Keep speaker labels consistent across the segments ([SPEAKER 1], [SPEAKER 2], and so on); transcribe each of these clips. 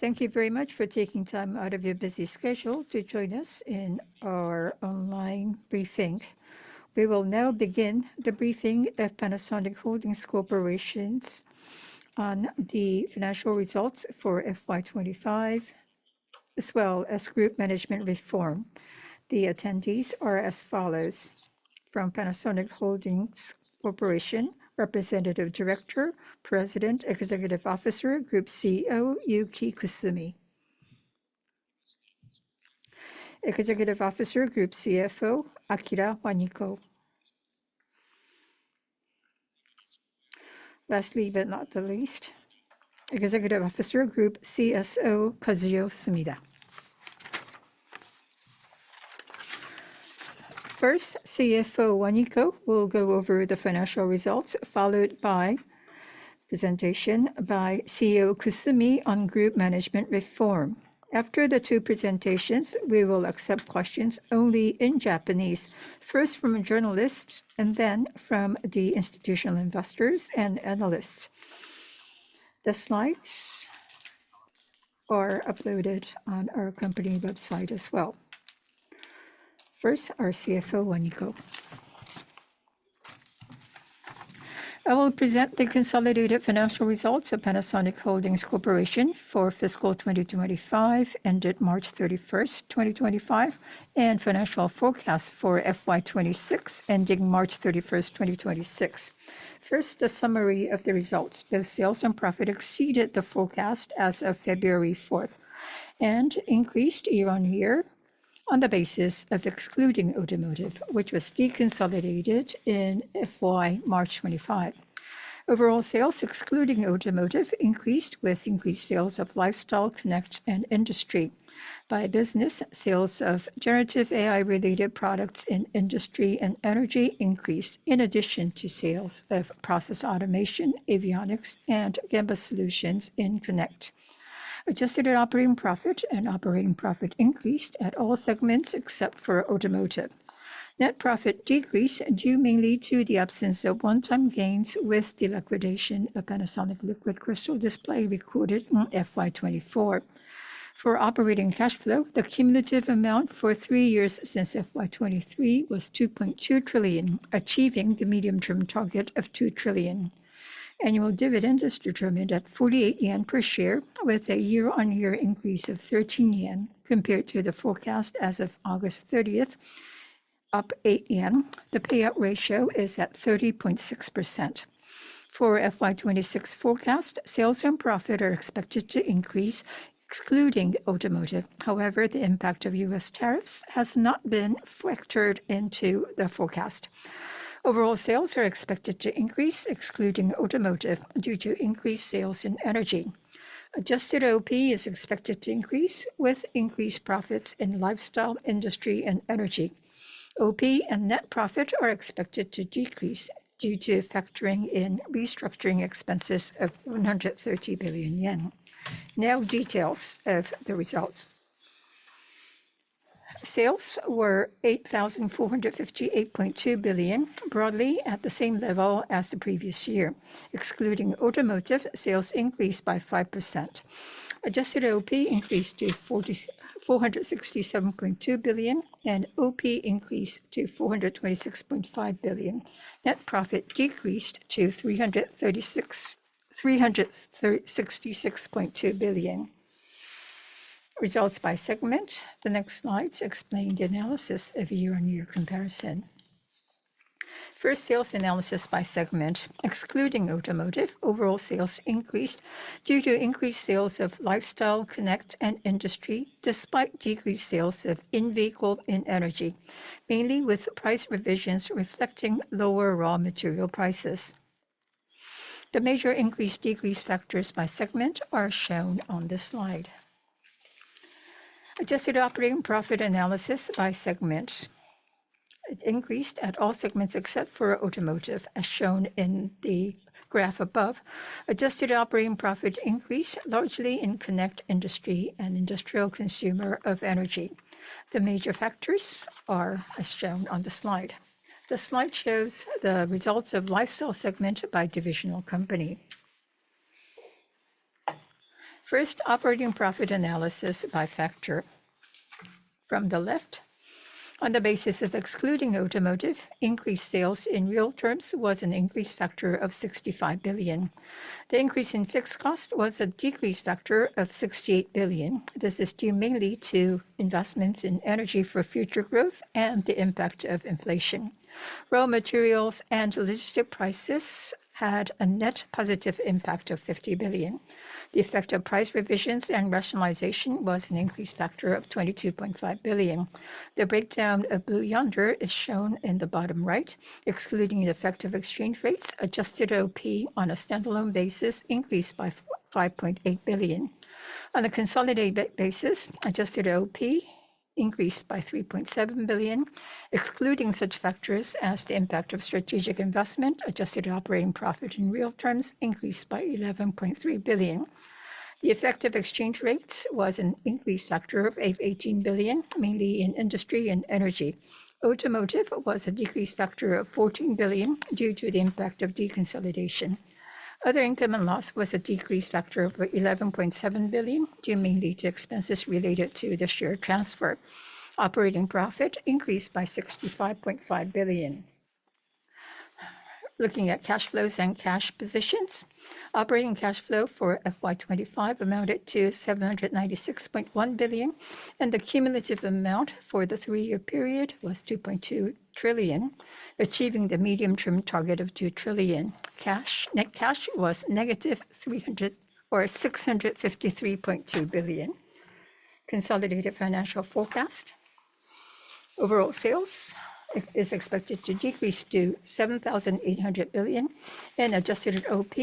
[SPEAKER 1] Thank you very much for taking time out of your busy schedule to join us in our online briefing. We will now begin the briefing of Panasonic Holdings Corporation on the Financial Results for FY2025, as well as group management reform. The attendees are as follows: from Panasonic Holdings Corporation, Representative Director, President, Executive Officer, Group CEO Yuki Kusumi, Executive Officer, Group CFO Akira Waniko, lastly, but not the least, Executive Officer, Group CSO Kazuyo Sumida. First, CFO Waniko will go over the financial results, followed by a presentation by CEO Kusumi on group management reform. After the two presentations, we will accept questions only in Japanese, first from journalists and then from the institutional investors and analysts. The slides are uploaded on our company website as well. First, our CFO Waniko.
[SPEAKER 2] I will present the consolidated financial results of Panasonic Holdings Corporation for fiscal 2025, ended March 31, 2025, and financial forecast for FY26, ending March 31, 2026. First, a summary of the results. Both sales and profit exceeded the forecast as of February 4 and increased year on year on the basis of excluding automotive, which was deconsolidated in FY25. Overall sales, excluding automotive, increased with increased sales of Lifestyle, Connect, and Industry. By business, sales of generative AI-related products in Industry and Energy increased, in addition to sales of process automation, avionics, and Gemba solutions in Connect. Adjusted operating profit and operating profit increased at all segments except for automotive. Net profit decreased due mainly to the absence of one-time gains with the liquidation of Panasonic liquid crystal display recorded in FY24. For operating cash flow, the cumulative amount for three years since FY2023 was 2.2 trillion, achieving the medium-term target of 2 trillion. Annual dividend is determined at 48 yen per share, with a year-on-year increase of 13 yen compared to the forecast as of August 30, up 8 yen. The payout ratio is at 30.6%. For FY2026 forecast, sales and profit are expected to increase, excluding automotive. However, the impact of U.S. tariffs has not been factored into the forecast. Overall sales are expected to increase, excluding automotive, due to increased sales in energy. Adjusted OP is expected to increase, with increased profits in lifestyle, industry, and energy. OP and net profit are expected to decrease due to factoring in restructuring expenses of 130 billion yen. Now, details of the results. Sales were 8,458.2 billion, broadly at the same level as the previous year. Excluding automotive, sales increased by 5%. Adjusted OP increased to 467.2 billion, and OP increased to 426.5 billion. Net profit decreased to 366.2 billion. Results by segment. The next slides explain the analysis of year-on-year comparison. First, sales analysis by segment. Excluding automotive, overall sales increased due to increased sales of Lifestyle, Connect, and Industry, despite decreased sales of in-vehicle and Energy, mainly with price revisions reflecting lower raw material prices. The major increase-decrease factors by segment are shown on this slide. Adjusted operating profit analysis by segment increased at all segments except for Automotive, as shown in the graph above. Adjusted operating profit increased largely in Connect, Industry, and industrial consumer of Energy. The major factors are, as shown on the slide. The slide shows the results of Lifestyle segment by divisional company. First, operating profit analysis by factor. From the left, on the basis of excluding automotive, increased sales in real terms was an increased factor of 65 billion. The increase in fixed cost was a decreased factor of 68 billion. This is due mainly to investments in energy for future growth and the impact of inflation. Raw materials and logistic prices had a net positive impact of 50 billion. The effect of price revisions and rationalization was an increased factor of 22.5 billion. The breakdown of Blue Yonder is shown in the bottom right. Excluding the effect of exchange rates, adjusted OP on a standalone basis increased by 5.8 billion. On a consolidated basis, adjusted OP increased by 3.7 billion, excluding such factors as the impact of strategic investment. Adjusted operating profit in real terms increased by 11.3 billion. The effect of exchange rates was an increased factor of 18 billion, mainly in industry and energy. Automotive was a decreased factor of 14 billion due to the impact of deconsolidation. Other income and loss was a decreased factor of 11.7 billion, due mainly to expenses related to the share transfer. Operating profit increased by 65.5 billion. Looking at cash flows and cash positions, operating cash flow for FY2025 amounted to 796.1 billion, and the cumulative amount for the three-year period was 2.2 trillion, achieving the medium-term target of 2 trillion. Net cash was negative 653.2 billion. Consolidated financial forecast. Overall sales is expected to decrease to 7,800 billion, and adjusted OP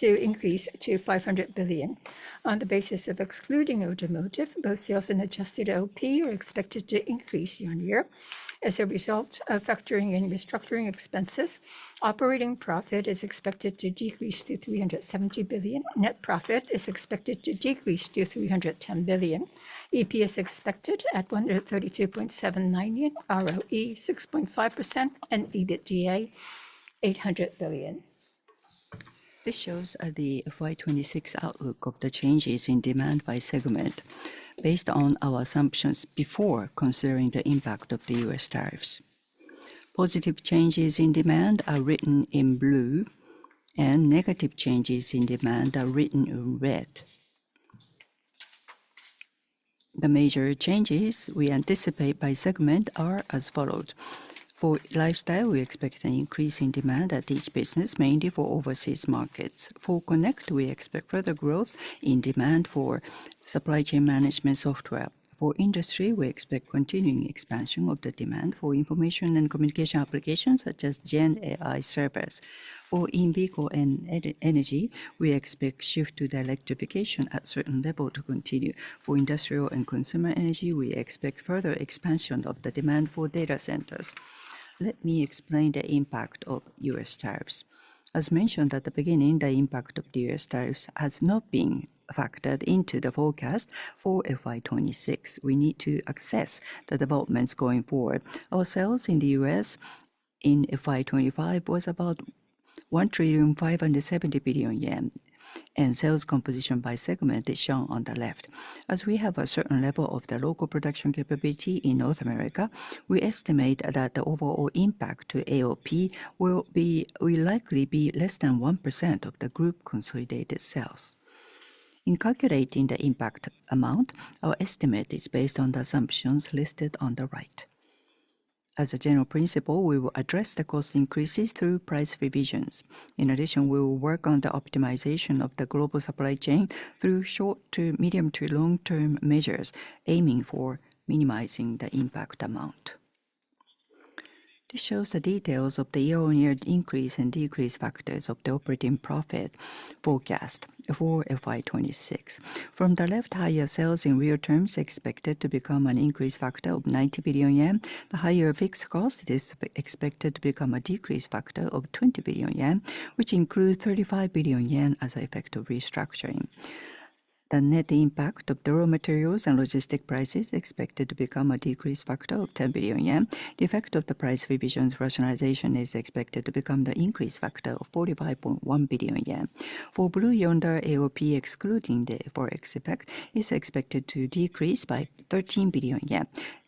[SPEAKER 2] to increase to 500 billion. On the basis of excluding automotive, both sales and adjusted OP are expected to increase year on year. As a result of factoring in restructuring expenses, operating profit is expected to decrease to 370 billion. Net profit is expected to decrease to 310 billion. EP is expected at 132.79, ROE 6.5%, and EBITDA 800 billion. This shows the FY2026 outlook of the changes in demand by segment based on our assumptions before considering the impact of the U.S. tariffs. Positive changes in demand are written in blue, and negative changes in demand are written in red. The major changes we anticipate by segment are as follows. For lifestyle, we expect an increase in demand at each business, mainly for overseas markets. For Connect, we expect further growth in demand for supply chain management software. For industry, we expect continuing expansion of the demand for information and communication applications such as Gen AI servers. For in-vehicle and energy, we expect shift to electrification at certain level to continue. For industrial and consumer energy, we expect further expansion of the demand for data centers. Let me explain the impact of U.S. tariffs. As mentioned at the beginning, the impact of the U.S. tariffs has not been factored into the forecast for FY2026. We need to assess the developments going forward. Our sales in the U.S. in FY2025 was about 1.570 trillion yen, and sales composition by segment is shown on the left. As we have a certain level of the local production capability in North America, we estimate that the overall impact to AOP will likely be less than 1% of the group consolidated sales. In calculating the impact amount, our estimate is based on the assumptions listed on the right. As a general principle, we will address the cost increases through price revisions. In addition, we will work on the optimization of the global supply chain through short- to medium- to long-term measures, aiming for minimizing the impact amount. This shows the details of the year-on-year increase and decrease factors of the operating profit forecast for FY2026. From the left, higher sales in real terms are expected to become an increase factor of 90 billion yen. The higher fixed cost is expected to become a decrease factor of 20 billion yen, which includes 35 billion yen as an effect of restructuring. The net impact of the raw materials and logistic prices is expected to become a decrease factor of 10 billion yen. The effect of the price revisions rationalization is expected to become the increase factor of 45.1 billion yen. For Blue Yonder, AOP, excluding the FOREX effect, is expected to decrease by 13 billion yen.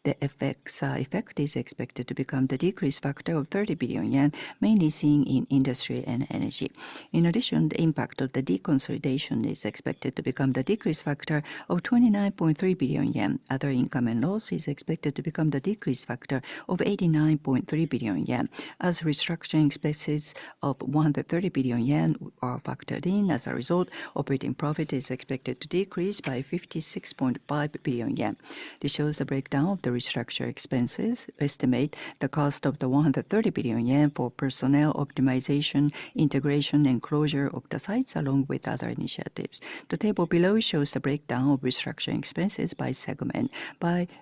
[SPEAKER 2] The FX effect is expected to become the decrease factor of 30 billion yen, mainly seen in industry and energy. In addition, the impact of the deconsolidation is expected to become the decrease factor of 29.3 billion yen. Other income and loss is expected to become the decrease factor of 89.3 billion yen. As restructuring expenses of 130 billion yen are factored in, as a result, operating profit is expected to decrease by 56.5 billion yen. This shows the breakdown of the restructure expenses. Estimate the cost of the 130 billion yen for personnel optimization, integration, and closure of the sites, along with other initiatives. The table below shows the breakdown of restructuring expenses by segment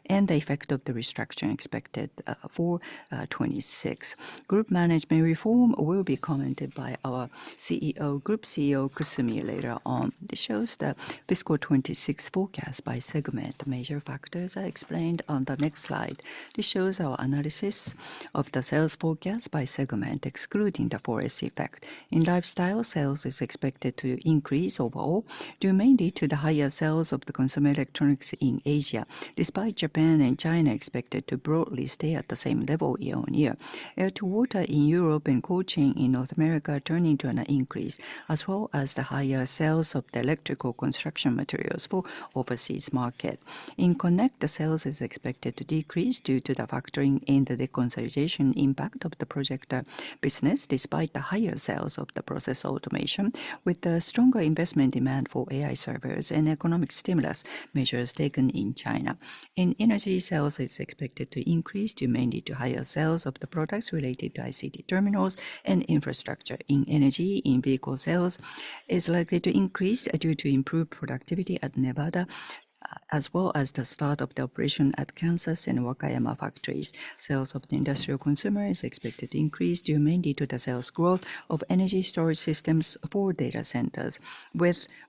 [SPEAKER 2] and the effect of the restructuring expected for FY2026. Group management reform will be commented by our CEO, Group CEO Kusumi, later on. This shows the fiscal 2026 forecast by segment. The major factors are explained on the next slide. This shows our analysis of the sales forecast by segment, excluding the forest effect. In Lifestyle, sales is expected to increase overall, due mainly to the higher sales of the consumer electronics in Asia, despite Japan and China expected to broadly stay at the same level year on year. Air-to-water in Europe and coaching in North America are turning to an increase, as well as the higher sales of the electrical construction materials for overseas market. In Connect, the sales are expected to decrease due to the factoring and the deconsolidation impact of the project business, despite the higher sales of the process automation, with the stronger investment demand for AI servers and economic stimulus measures taken in China. In Energy, sales are expected to increase, due mainly to higher sales of the products related to ICT terminals and infrastructure. In energy, in-vehicle sales, it is likely to increase due to improved productivity at Nevada, as well as the start of the operation at Kansas and Wakayama factories. Sales of the industrial consumer are expected to increase, due mainly to the sales growth of energy storage systems for data centers.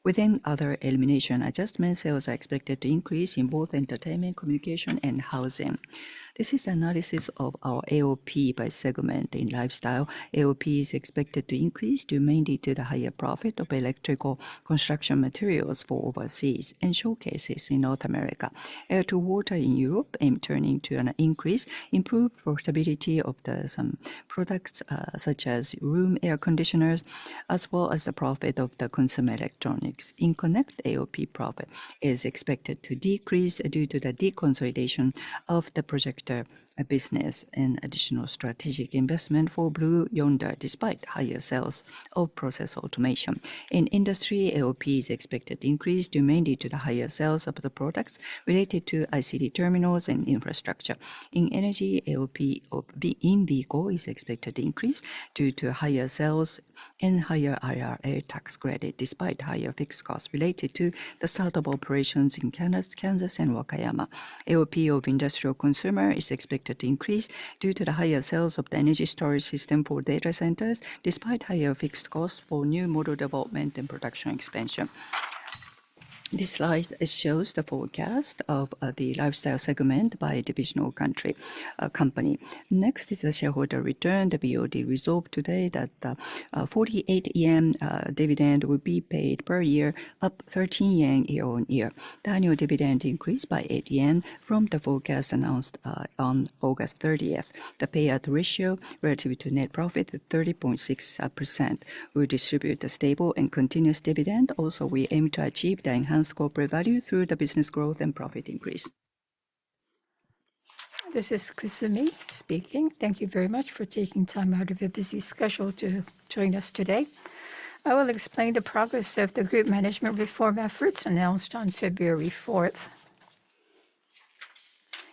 [SPEAKER 2] Within other elimination adjustments, sales are expected to increase in both entertainment, communication, and housing. This is the analysis of our AOP by segment. In lifestyle, AOP is expected to increase, due mainly to the higher profit of electrical construction materials for overseas and showcases in North America. Air-to-water in Europe aims to turn into an increase, improved profitability of the products such as room air conditioners, as well as the profit of the consumer electronics. In Connect, AOP profit is expected to decrease due to the deconsolidation of the projector business and additional strategic investment for Blue Yonder, despite higher sales of process automation. In industry, AOP is expected to increase, due mainly to the higher sales of the products related to ICT terminals and infrastructure. In energy, AOP in vehicle is expected to increase due to higher sales and higher IRA tax credit, despite higher fixed costs related to the start of operations in Kansas and Wakayama. AOP of industrial consumer is expected to increase due to the higher sales of the energy storage system for data centers, despite higher fixed costs for new model development and production expansion. This slide shows the forecast of the lifestyle segment by divisional company. Next is the shareholder return. The BOD resolved today that the 48 yen dividend would be paid per year, up 13 yen year on year. The annual dividend increased by 8 yen from the forecast announced on August 30th. The payout ratio relative to net profit is 30.6%. We distribute a stable and continuous dividend. Also, we aim to achieve the enhanced corporate value through the business growth and profit increase.
[SPEAKER 3] This is Kusumi speaking. Thank you very much for taking time out of your busy schedule to join us today. I will explain the progress of the group management reform efforts announced on February 4th.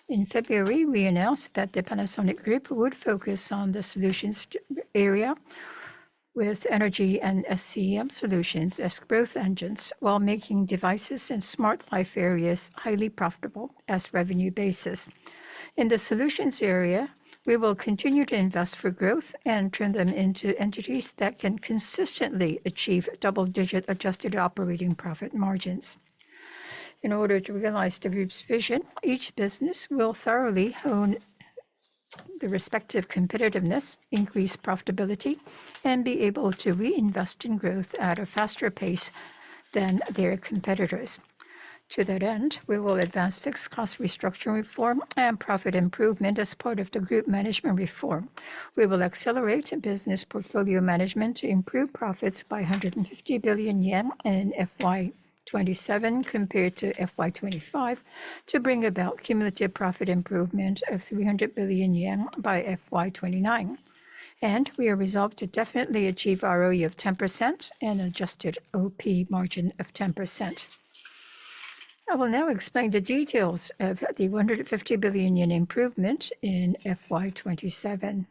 [SPEAKER 3] In February, we announced that the Panasonic Group would focus on the solutions area with energy and SCM solutions as growth engines while making devices and smart life areas highly profitable as revenue bases. In the solutions area, we will continue to invest for growth and turn them into entities that can consistently achieve double-digit adjusted operating profit margins. In order to realize the group's vision, each business will thoroughly hone the respective competitiveness, increase profitability, and be able to reinvest in growth at a faster pace than their competitors. To that end, we will advance fixed cost restructuring reform and profit improvement as part of the group management reform. We will accelerate business portfolio management to improve profits by 150 billion yen in FY 2027 compared to FY 2025, to bring about cumulative profit improvement of 300 billion yen by FY 2029. We are resolved to definitely achieve ROE of 10% and adjusted OP margin of 10%. I will now explain the details of the 150 billion yen improvement in FY 2027.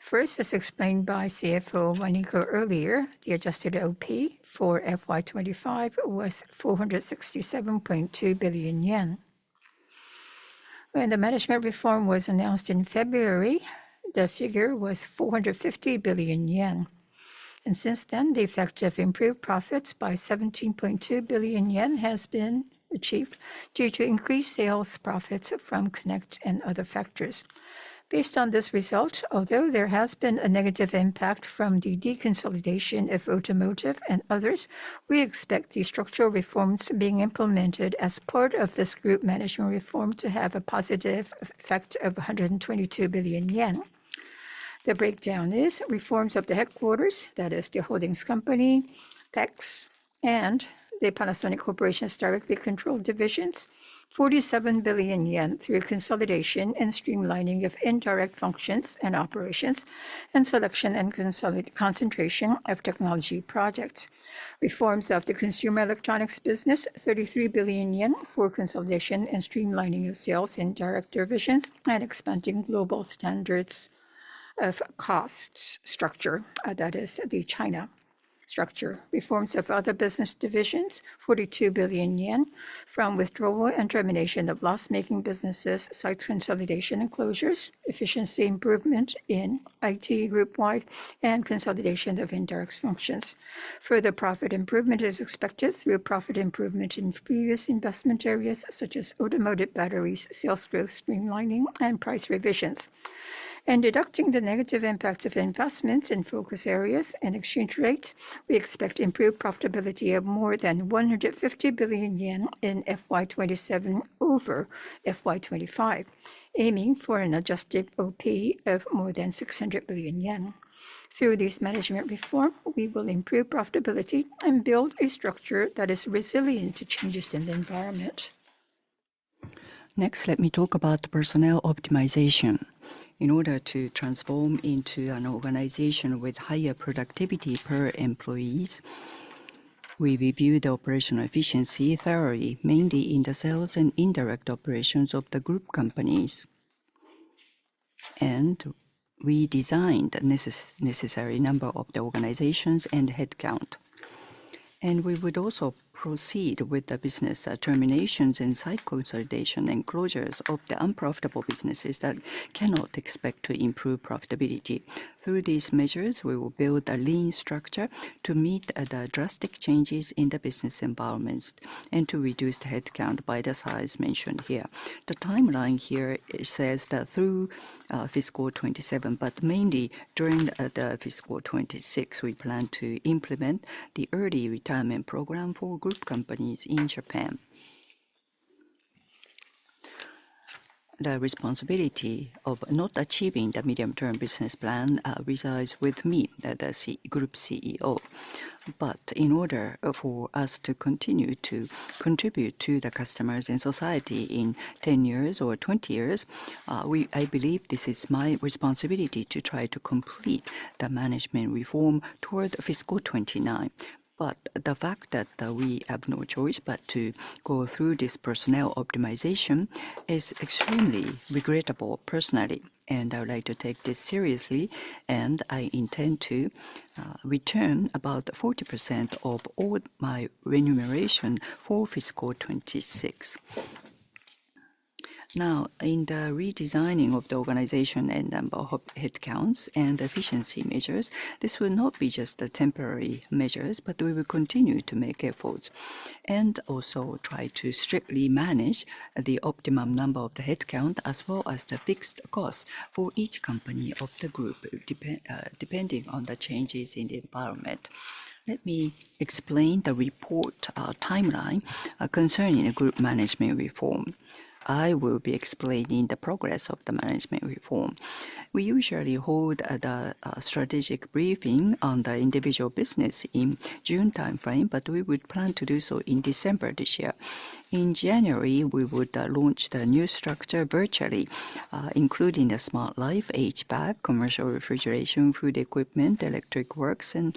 [SPEAKER 3] First, as explained by CFO Waniko earlier, the adjusted OP for FY 2025 was 467.2 billion yen. When the management reform was announced in February, the figure was 450 billion yen. Since then, the effect of improved profits by 17.2 billion yen has been achieved due to increased sales profits from Connect and other factors. Based on this result, although there has been a negative impact from the deconsolidation of automotive and others, we expect the structural reforms being implemented as part of this group management reform to have a positive effect of 122 billion yen. The breakdown is reforms of the headquarters, that is, the holdings company, PEX, and the Panasonic Corporation's directly controlled divisions, 47 billion yen through consolidation and streamlining of indirect functions and operations, and selection and concentration of technology projects. Reforms of the consumer electronics business, 33 billion yen for consolidation and streamlining of sales in direct divisions and expanding global standards of cost structure, that is, the China structure. Reforms of other business divisions, 42 billion yen from withdrawal and termination of loss-making businesses, site consolidation and closures, efficiency improvement in IT group-wide, and consolidation of indirect functions. Further profit improvement is expected through profit improvement in previous investment areas such as automotive batteries, sales growth streamlining, and price revisions. Deducting the negative impact of investments in focus areas and exchange rates, we expect improved profitability of more than 150 billion yen in FY2027 over FY2025, aiming for an adjusted OP of more than 600 billion yen. Through this management reform, we will improve profitability and build a structure that is resilient to changes in the environment. Next, let me talk about the personnel optimization. In order to transform into an organization with higher productivity per employee, we reviewed the operational efficiency thoroughly, mainly in the sales and indirect operations of the group companies. We designed the necessary number of the organizations and headcount. We would also proceed with the business terminations and site consolidation and closures of the unprofitable businesses that cannot expect to improve profitability. Through these measures, we will build a lean structure to meet the drastic changes in the business environments and to reduce the headcount by the size mentioned here. The timeline here says that through fiscal 2027, but mainly during fiscal 2026, we plan to implement the early retirement program for group companies in Japan. The responsibility of not achieving the medium-term business plan resides with me, the Group CEO. In order for us to continue to contribute to the customers and society in 10 years or 20 years, I believe this is my responsibility to try to complete the management reform toward fiscal 2029. The fact that we have no choice but to go through this personnel optimization is extremely regrettable personally. I would like to take this seriously, and I intend to return about 40% of all my remuneration for fiscal 2026. Now, in the redesigning of the organization and number of headcounts and efficiency measures, this will not be just temporary measures, but we will continue to make efforts and also try to strictly manage the optimum number of the headcount, as well as the fixed cost for each company of the group, depending on the changes in the environment. Let me explain the report timeline concerning the group management reform. I will be explaining the progress of the management reform. We usually hold the strategic briefing on the individual business in the June timeframe, but we would plan to do so in December this year. In January, we would launch the new structure virtually, including Smart Life, HVAC, commercial refrigeration, food equipment, electric works, and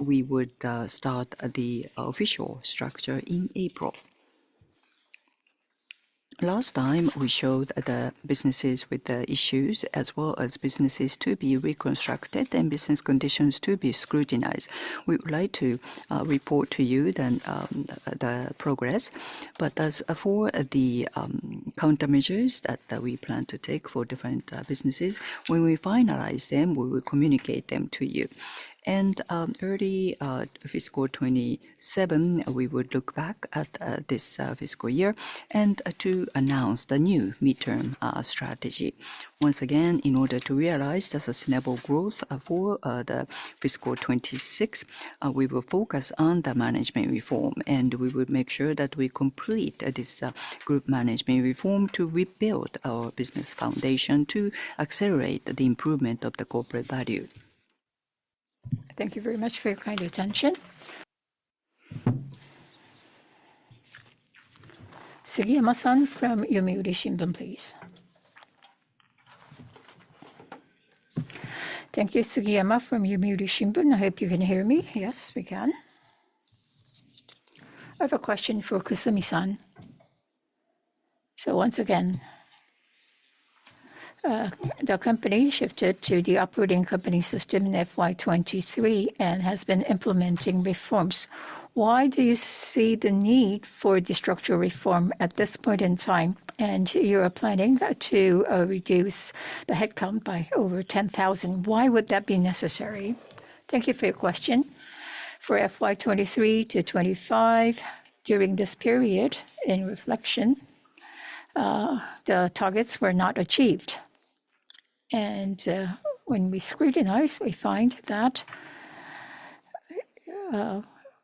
[SPEAKER 3] we would start the official structure in April. Last time, we showed the businesses with the issues, as well as businesses to be reconstructed and business conditions to be scrutinized. We would like to report to you the progress. As for the countermeasures that we plan to take for different businesses, when we finalize them, we will communicate them to you. Early fiscal 2027, we would look back at this fiscal year and announce the new midterm strategy. Once again, in order to realize the sustainable growth for the fiscal 2026, we will focus on the management reform, and we will make sure that we complete this group management reform to rebuild our business foundation to accelerate the improvement of the corporate value.
[SPEAKER 1] Thank you very much for your kind attention. Sugiyama Yoshikuni from Yomiuri Shimbun, please. Thank you, Sugiyama from Yomiuri Shimbun. I hope you can hear me. Yes, we can.
[SPEAKER 4] I have a question for Kusumi-san. Once again, the company shifted to the operating company system in FY2023 and has been implementing reforms. Why do you see the need for the structural reform at this point in time? You are planning to reduce the headcount by over 10,000. Why would that be necessary?
[SPEAKER 3] Thank you for your question. For fiscal year 2023 to 2025, during this period, in reflection, the targets were not achieved. When we scrutinize, we find that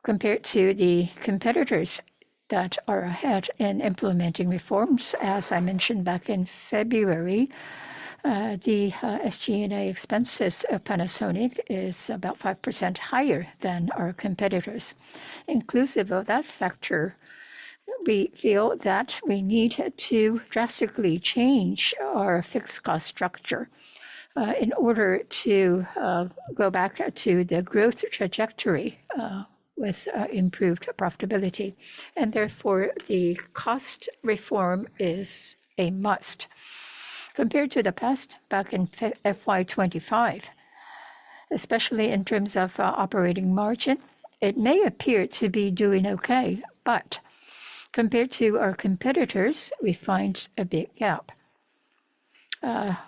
[SPEAKER 3] compared to the competitors that are ahead and implementing reforms, as I mentioned back in February, the SG&A expenses of Panasonic is about 5% higher than our competitors. Inclusive of that factor, we feel that we need to drastically change our fixed cost structure in order to go back to the growth trajectory with improved profitability. Therefore, the cost reform is a must. Compared to the past, back in 2025, especially in terms of operating margin, it may appear to be doing okay, but compared to our competitors, we find a big gap.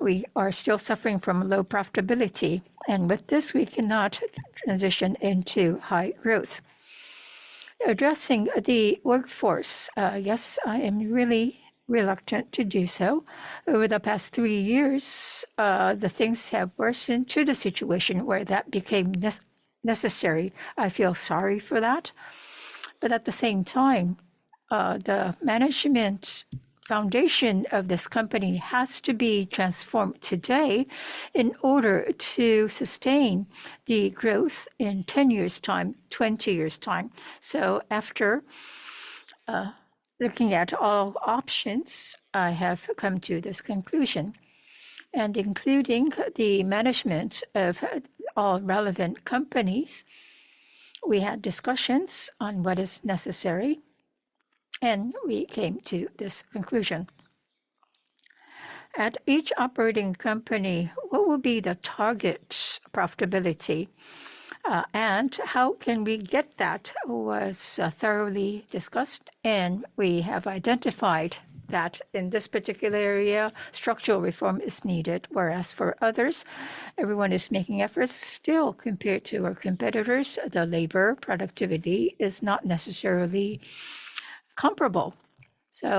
[SPEAKER 3] We are still suffering from low profitability, and with this, we cannot transition into high growth. Addressing the workforce, yes, I am really reluctant to do so. Over the past three years, things have worsened to the situation where that became necessary. I feel sorry for that. At the same time, the management foundation of this company has to be transformed today in order to sustain the growth in 10 years' time, 20 years' time. After looking at all options, I have come to this conclusion. Including the management of all relevant companies, we had discussions on what is necessary, and we came to this conclusion. At each operating company, what will be the target profitability and how can we get that was thoroughly discussed, and we have identified that in this particular area, structural reform is needed, whereas for others, everyone is making efforts. Still, compared to our competitors, the labor productivity is not necessarily comparable.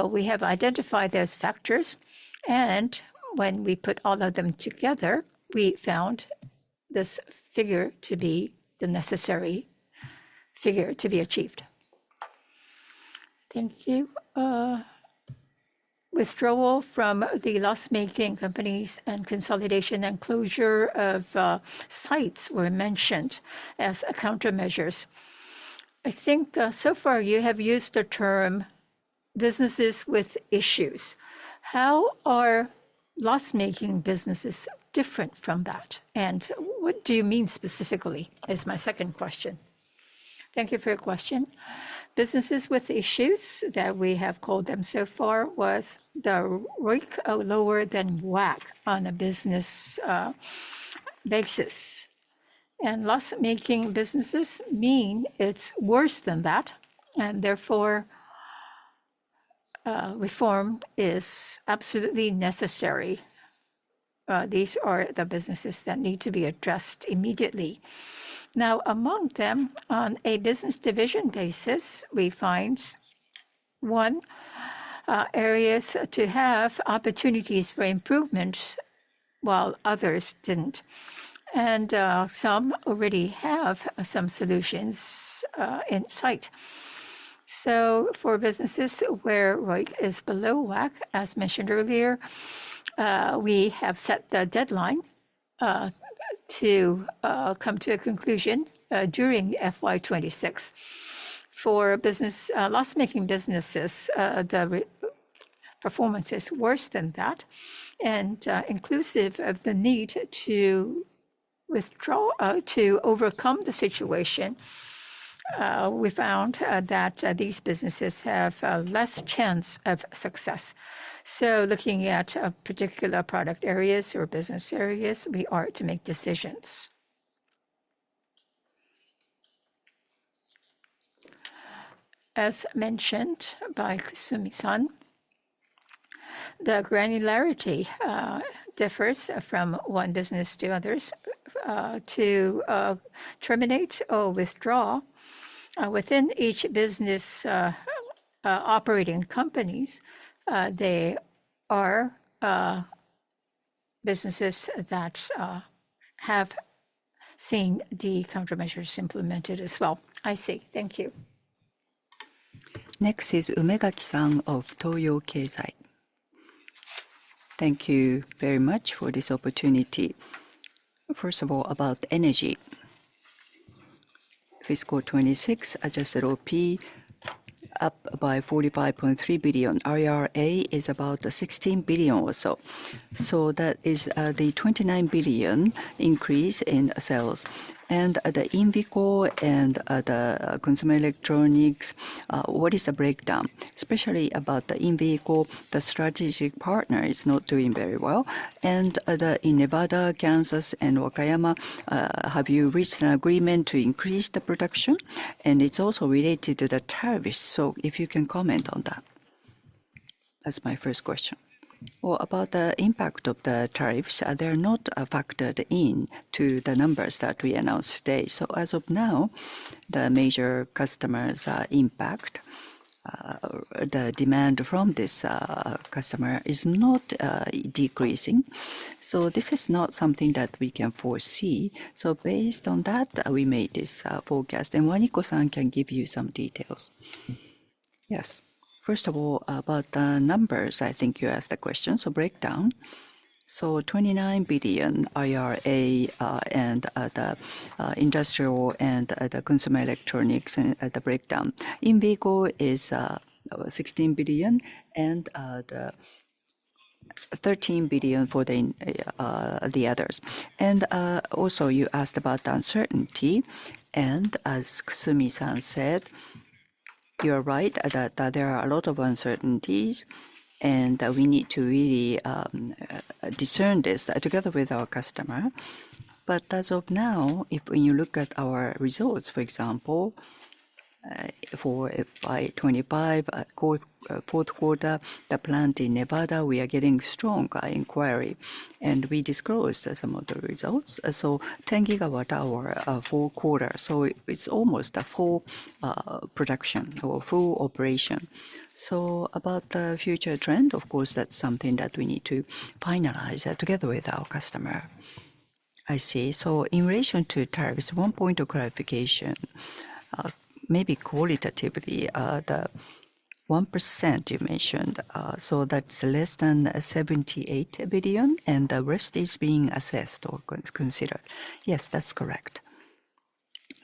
[SPEAKER 3] We have identified those factors, and when we put all of them together, we found this figure to be the necessary figure to be achieved.
[SPEAKER 4] Thank you. Withdrawal from the loss-making companies and consolidation and closure of sites were mentioned as countermeasures. I think so far you have used the term businesses with issues. How are loss-making businesses different from that? What do you mean specifically is my second question.
[SPEAKER 2] Thank you for your question. Businesses with issues that we have called them so far was the ROIC lower than WACC on a business basis. Loss-making businesses mean it is worse than that, and therefore reform is absolutely necessary. These are the businesses that need to be addressed immediately. Now, among them, on a business division basis, we find some areas to have opportunities for improvement while others did not. Some already have some solutions in sight. For businesses where ROIC is below WACC, as mentioned earlier, we have set the deadline to come to a conclusion during FY2026. For loss-making businesses, the performance is worse than that. Inclusive of the need to withdraw to overcome the situation, we found that these businesses have less chance of success. Looking at particular product areas or business areas, we are to make decisions. As mentioned by Kusumi-san, the granularity differs from one business to others. To terminate or withdraw, within each business operating companies, there are businesses that have seen the countermeasures implemented as well.
[SPEAKER 4] I see. Thank you.
[SPEAKER 1] Next is Fumika Sato of Nikkei Asia.
[SPEAKER 5] Thank you very much for this opportunity. First of all, about energy. Fiscal 2026, adjusted OP, up by 45.3 billion. RERA is about 16 billion or so. That is the 29 billion increase in sales. And the in-vehicle and the consumer electronics, what is the breakdown? Especially about the in-vehicle, the strategic partner is not doing very well. In Nevada, Kansas, and Wakayama, have you reached an agreement to increase the production? It is also related to the tariffs. If you can comment on that. That is my first question.
[SPEAKER 3] About the impact of the tariffs, they are not factored into the numbers that we announced today. As of now, the major customers' impact, the demand from this customer is not decreasing. This is not something that we can foresee. Based on that, we made this forecast. Waniko-san can give you some details.
[SPEAKER 2] Yes. First of all, about the numbers, I think you asked the question. Breakdown. 29 billion RERA and the industrial and the consumer electronics and the breakdown. INVICO is 16 billion and 13 billion for the others. You asked about the uncertainty. As Kusumi-san said, you are right that there are a lot of uncertainties, and we need to really discern this together with our customer. As of now, if you look at our results, for example, for fiscal year 2025, fourth quarter, the plant in Nevada, we are getting strong inquiry. We disclosed some of the results. 10 gigawatt hour, fourth quarter. It is almost a full production or full operation. About the future trend, of course, that is something that we need to finalize together with our customer.
[SPEAKER 5] I see. In relation to tariffs, one point of clarification, maybe qualitatively, the 1% you mentioned, that's less than 78 billion, and the rest is being assessed or considered.
[SPEAKER 2] Yes, that's correct.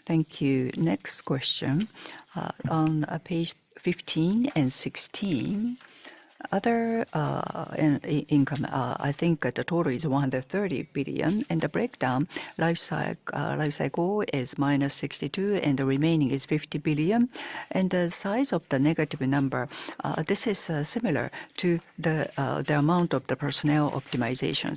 [SPEAKER 5] Thank you. Next question. On page 15 and 16, other income, I think the total is 130 billion. The breakdown, lifestyle is minus 62 billion, and the remaining is 50 billion. The size of the negative number, this is similar to the amount of the personnel optimization.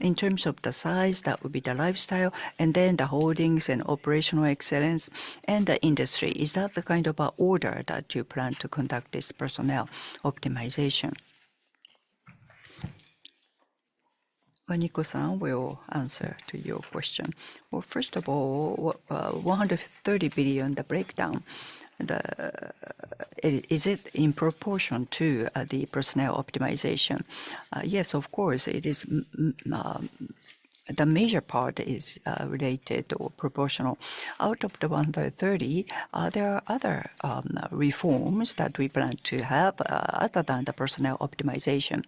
[SPEAKER 5] In terms of the size, that would be the lifestyle, and then the holdings and operational excellence, and the industry. Is that the kind of order that you plan to conduct this personnel optimization?
[SPEAKER 3] Waniko-san, we'll answer your question.
[SPEAKER 2] First of all, 130 billion, the breakdown, is it in proportion to the personnel optimization? Yes, of course, it is. The major part is related or proportional. Out of the 130, there are other reforms that we plan to have other than the personnel optimization.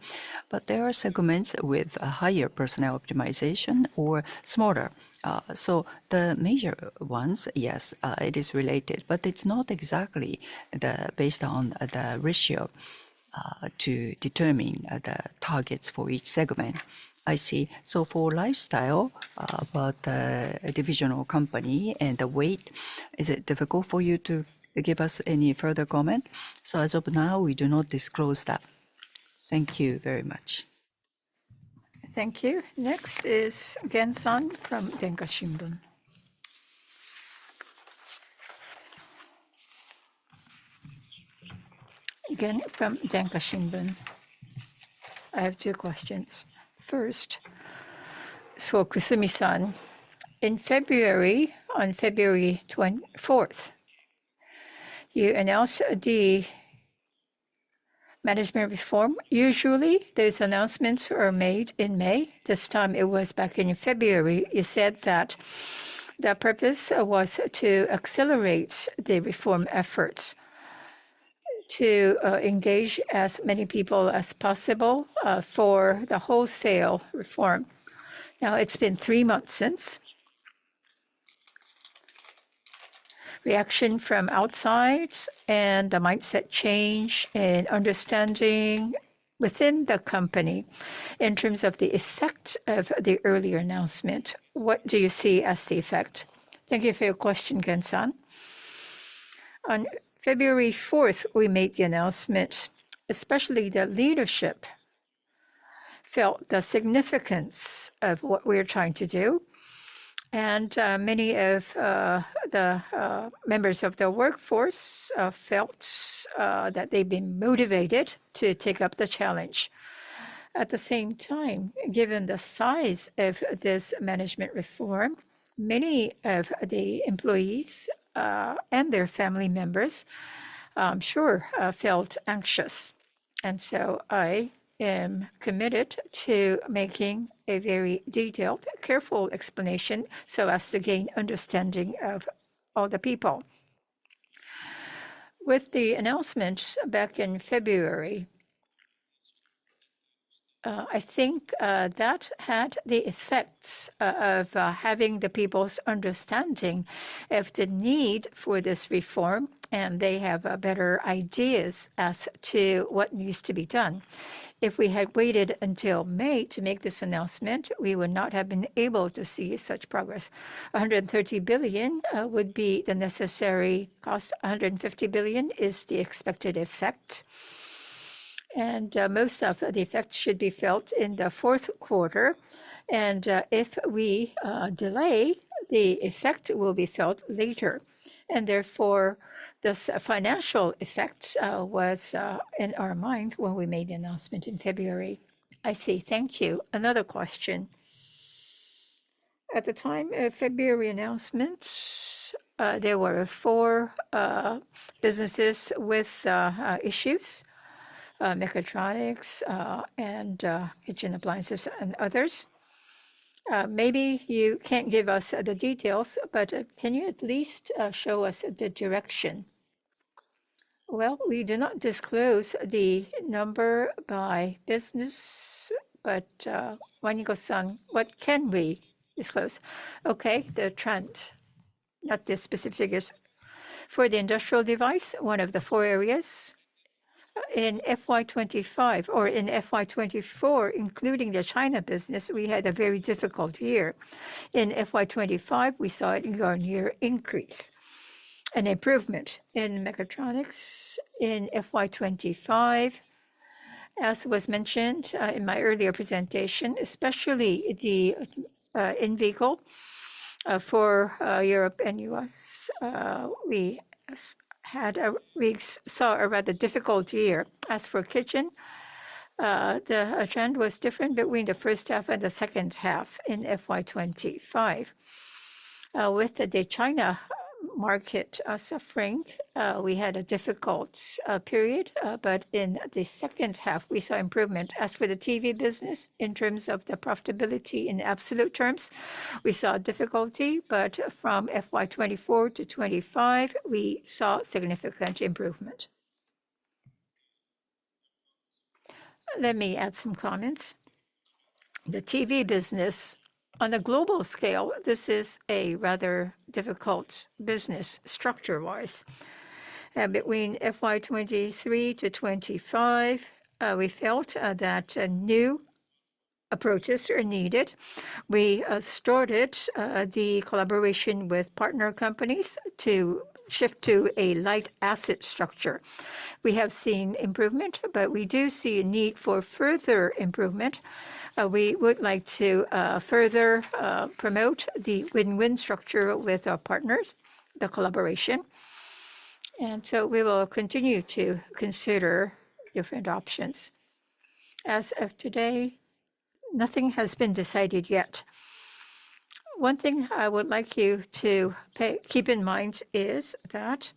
[SPEAKER 2] There are segments with higher personnel optimization or smaller. The major ones, yes, it is related, but it is not exactly based on the ratio to determine the targets for each segment.
[SPEAKER 5] I see. For lifestyle, about the divisional company and the weight, is it difficult for you to give us any further comment?
[SPEAKER 3] As of now, we do not disclose that. Thank you very much.
[SPEAKER 1] Thank you. Next is Gen-san from Denki Shimbun.
[SPEAKER 6] Gen-san from Denki Shimbun. I have two questions. First, for Kusumi-san, in February, on February 4th, you announced the management reform. Usually, those announcements are made in May. This time it was back in February. You said that the purpose was to accelerate the reform efforts, to engage as many people as possible for the wholesale reform. Now, it's been three months since. Reaction from outside and the mindset change and understanding within the company in terms of the effect of the earlier announcement, what do you see as the effect?
[SPEAKER 3] Thank you for your question, Gen-san. On February 4th, we made the announcement. Especially the leadership felt the significance of what we're trying to do. Many of the members of the workforce felt that they've been motivated to take up the challenge. At the same time, given the size of this management reform, many of the employees and their family members, I'm sure, felt anxious. I am committed to making a very detailed, careful explanation so as to gain understanding of all the people. With the announcement back in February, I think that had the effects of having the people's understanding of the need for this reform, and they have better ideas as to what needs to be done. If we had waited until May to make this announcement, we would not have been able to see such progress. 130 billion would be the necessary cost. 150 billion is the expected effect. Most of the effect should be felt in the fourth quarter. If we delay, the effect will be felt later. Therefore, this financial effect was in our mind when we made the announcement in February.
[SPEAKER 6] I see. Thank you. Another question. At the time of February announcement, there were four businesses with issues, Mechatronics and Hygiene Appliances and others. Maybe you can't give us the details, but can you at least show us the direction?
[SPEAKER 3] We do not disclose the number by business, but Waniko-san, what can we disclose?
[SPEAKER 2] Okay, the trend, not the specific figures. For the industrial device, one of the four areas. In fiscal year 2025 or in fiscal year 2024, including the China business, we had a very difficult year. In fiscal year 2025, we saw a near increase and improvement in Mechatronics. In fiscal year 2025, as was mentioned in my earlier presentation, especially the Invico for Europe and U.S., we saw a rather difficult year. As for kitchen, the trend was different between the first half and the second half in fiscal year 2025. With the China market suffering, we had a difficult period, but in the second half, we saw improvement. As for the TV business, in terms of the profitability in absolute terms, we saw difficulty, but from FY2024 to 2025, we saw significant improvement.
[SPEAKER 3] Let me add some comments. The TV business, on a global scale, this is a rather difficult business structure-wise. Between FY2023 to 2025, we felt that new approaches are needed. We started the collaboration with partner companies to shift to a light asset structure. We have seen improvement, but we do see a need for further improvement. We would like to further promote the win-win structure with our partners, the collaboration. We will continue to consider different options. As of today, nothing has been decided yet. One thing I would like you to keep in mind is that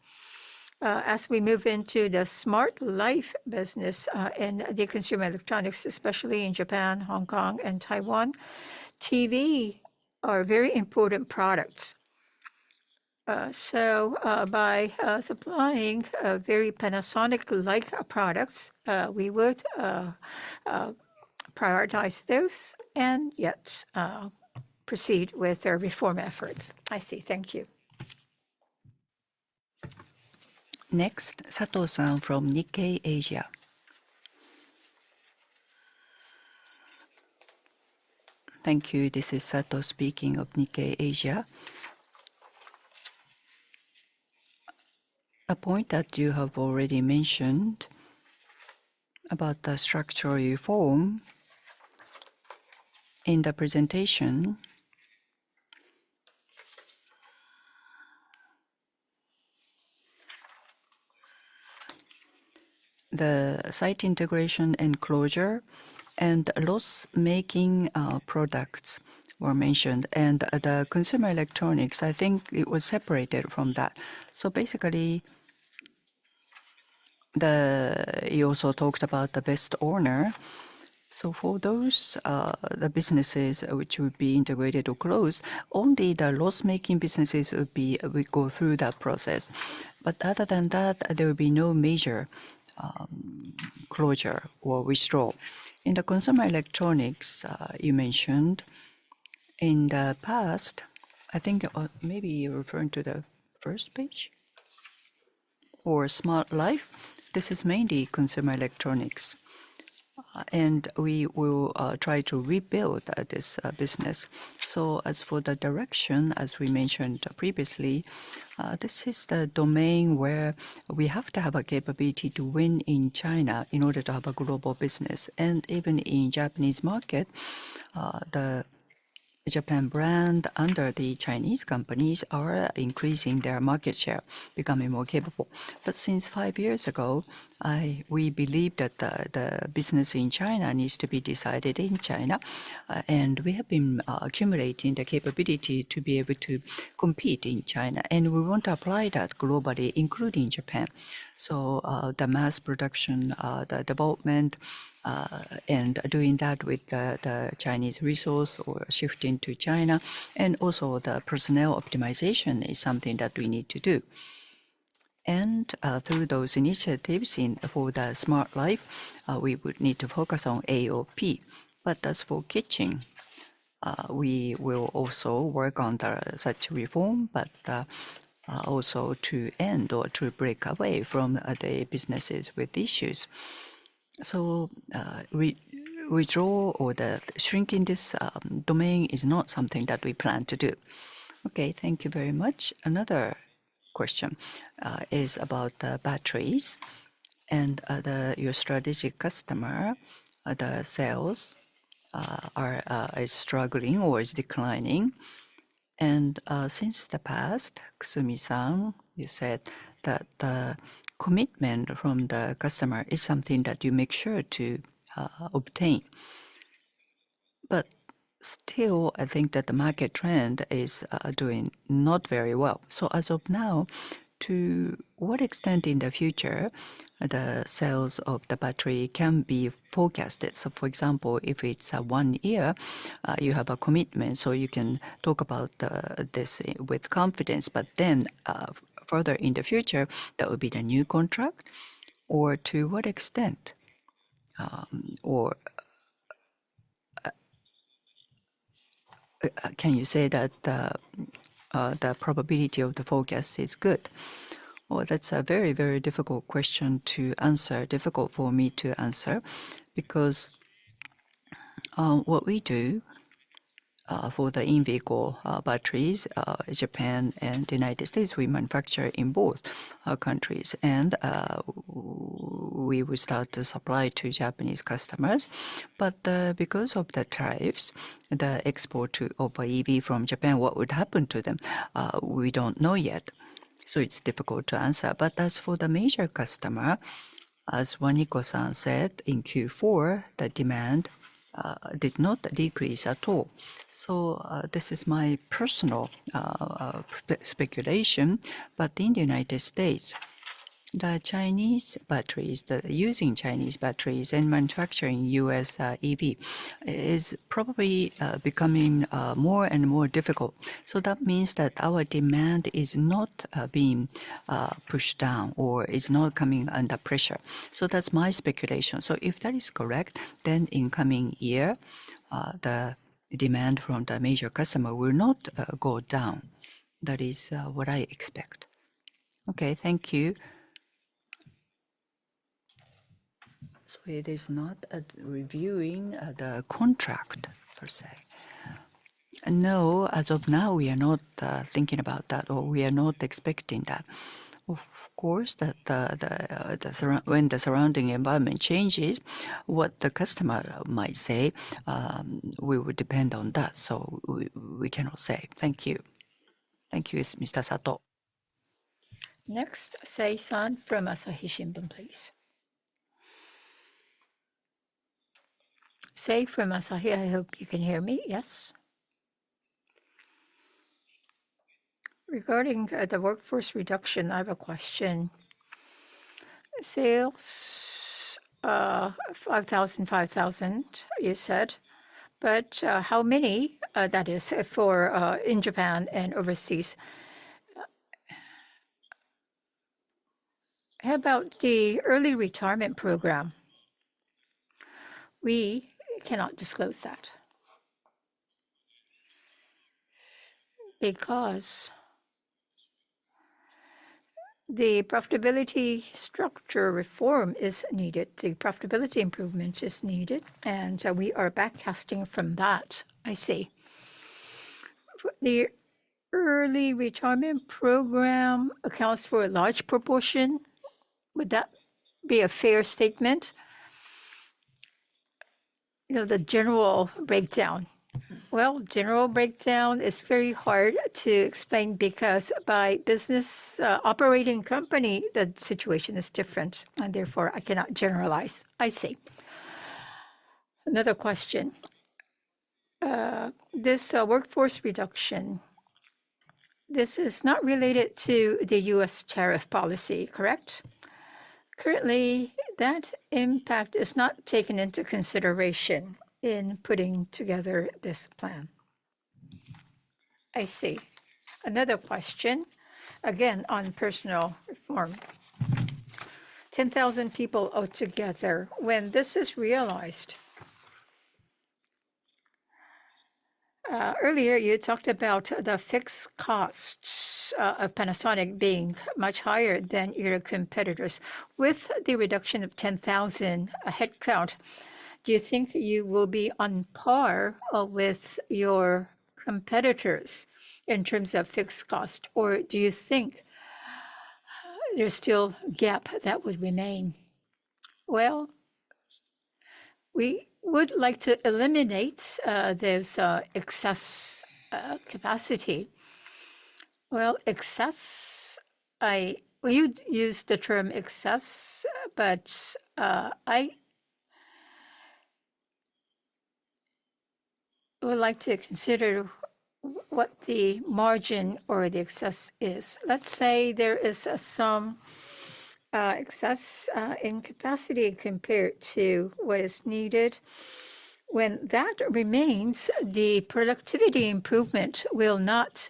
[SPEAKER 3] as we move into the smart life business and the consumer electronics, especially in Japan, Hong Kong, and Taiwan, TV are very important products. By supplying very Panasonic-like products, we would prioritize those and yet proceed with our reform efforts.
[SPEAKER 6] I see. Thank you.
[SPEAKER 1] Next, Fumika Sato-san from Nikkei Asia.
[SPEAKER 5] Thank you. This is Sato speaking of Nikkei Asia. A point that you have already mentioned about the structural reform in the presentation. The site integration and closure and loss-making products were mentioned. The consumer electronics, I think it was separated from that. Basically, you also talked about the best owner.
[SPEAKER 3] For those, the businesses which would be integrated or closed, only the loss-making businesses would go through that process. Other than that, there would be no major closure or withdrawal. In the consumer electronics, you mentioned in the past, I think maybe you are referring to the first page for smart life. This is mainly consumer electronics. We will try to rebuild this business. As for the direction, as we mentioned previously, this is the domain where we have to have a capability to win in China in order to have a global business. Even in the Japanese market, the Japan brand under the Chinese companies are increasing their market share, becoming more capable. Since five years ago, we believed that the business in China needs to be decided in China. We have been accumulating the capability to be able to compete in China. We want to apply that globally, including Japan. The mass production, the development, and doing that with the Chinese resource or shifting to China. Also, the personnel optimization is something that we need to do. Through those initiatives for the smart life, we would need to focus on AOP. As for kitchen, we will also work on such reform, but also to end or to break away from the businesses with issues. Withdrawal or the shrink in this domain is not something that we plan to do.
[SPEAKER 5] Okay, thank you very much. Another question is about the batteries. Your strategic customer, the sales, are struggling or is declining. Since the past, Kusumi-san, you said that the commitment from the customer is something that you make sure to obtain. Still, I think that the market trend is doing not very well. As of now, to what extent in the future the sales of the battery can be forecasted? For example, if it is one year, you have a commitment, so you can talk about this with confidence, but then further in the future, there will be the new contract. To what extent, or can you say that the probability of the forecast is good?
[SPEAKER 3] That is a very, very difficult question to answer, difficult for me to answer, because what we do for the in-vehicle batteries, Japan and the United States, we manufacture in both countries. We will start to supply to Japanese customers. Because of the tariffs, the export of EV from Japan, what would happen to them, we do not know yet. It is difficult to answer. As for the major customer, as Waniko-san said in Q4, the demand did not decrease at all. This is my personal speculation. In the United States, using Chinese batteries and manufacturing US EV is probably becoming more and more difficult. That means that our demand is not being pushed down or is not coming under pressure. That is my speculation. If that is correct, then in coming year, the demand from the major customer will not go down. That is what I expect.
[SPEAKER 5] Okay, thank you. It is not reviewing the contract per se.
[SPEAKER 3] No, as of now, we are not thinking about that or we are not expecting that. Of course, when the surrounding environment changes, what the customer might say, we would depend on that. We cannot say.
[SPEAKER 5] Thank you.
[SPEAKER 3] Thank you, Mr. Sato.
[SPEAKER 1] Next, Sei-san from Asahi Shimbun, please.
[SPEAKER 7] Sei from Asahi, I hope you can hear me. Yes. Regarding the workforce reduction, I have a question. Sales, 5,000, 5,000, you said. But how many, that is, for in Japan and overseas? How about the early retirement program?
[SPEAKER 3] We cannot disclose that because the profitability structure reform is needed. The profitability improvement is needed. We are backcasting from that.
[SPEAKER 7] I see. The early retirement program accounts for a large proportion. Would that be a fair statement? The general breakdown.
[SPEAKER 3] General breakdown is very hard to explain because by business operating company, the situation is different. Therefore, I cannot generalize.
[SPEAKER 7] I see. Another question. This workforce reduction, this is not related to the U.S. tariff policy, correct?
[SPEAKER 3] Currently, that impact is not taken into consideration in putting together this plan.
[SPEAKER 7] I see. Another question, again, on personal reform. 10,000 people altogether. When this is realized, earlier you talked about the fixed costs of Panasonic being much higher than your competitors. With the reduction of 10,000 headcount, do you think you will be on par with your competitors in terms of fixed cost? Or do you think there's still a gap that would remain?
[SPEAKER 3] We would like to eliminate this excess capacity. I used the term excess, but I would like to consider what the margin or the excess is. Let's say there is some excess in capacity compared to what is needed. When that remains, the productivity improvement will not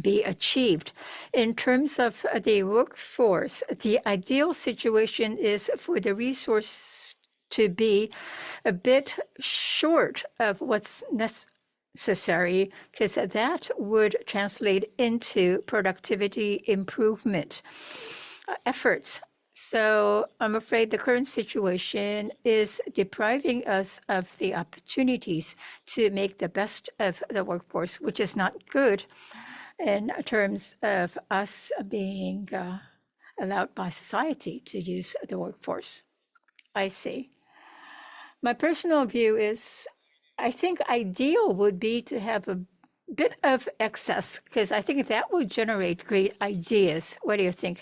[SPEAKER 3] be achieved. In terms of the workforce, the ideal situation is for the resources to be a bit short of what's necessary because that would translate into productivity improvement efforts. I'm afraid the current situation is depriving us of the opportunities to make the best of the workforce, which is not good in terms of us being allowed by society to use the workforce.
[SPEAKER 7] I see. My personal view is I think ideal would be to have a bit of excess because I think that would generate great ideas. What do you think?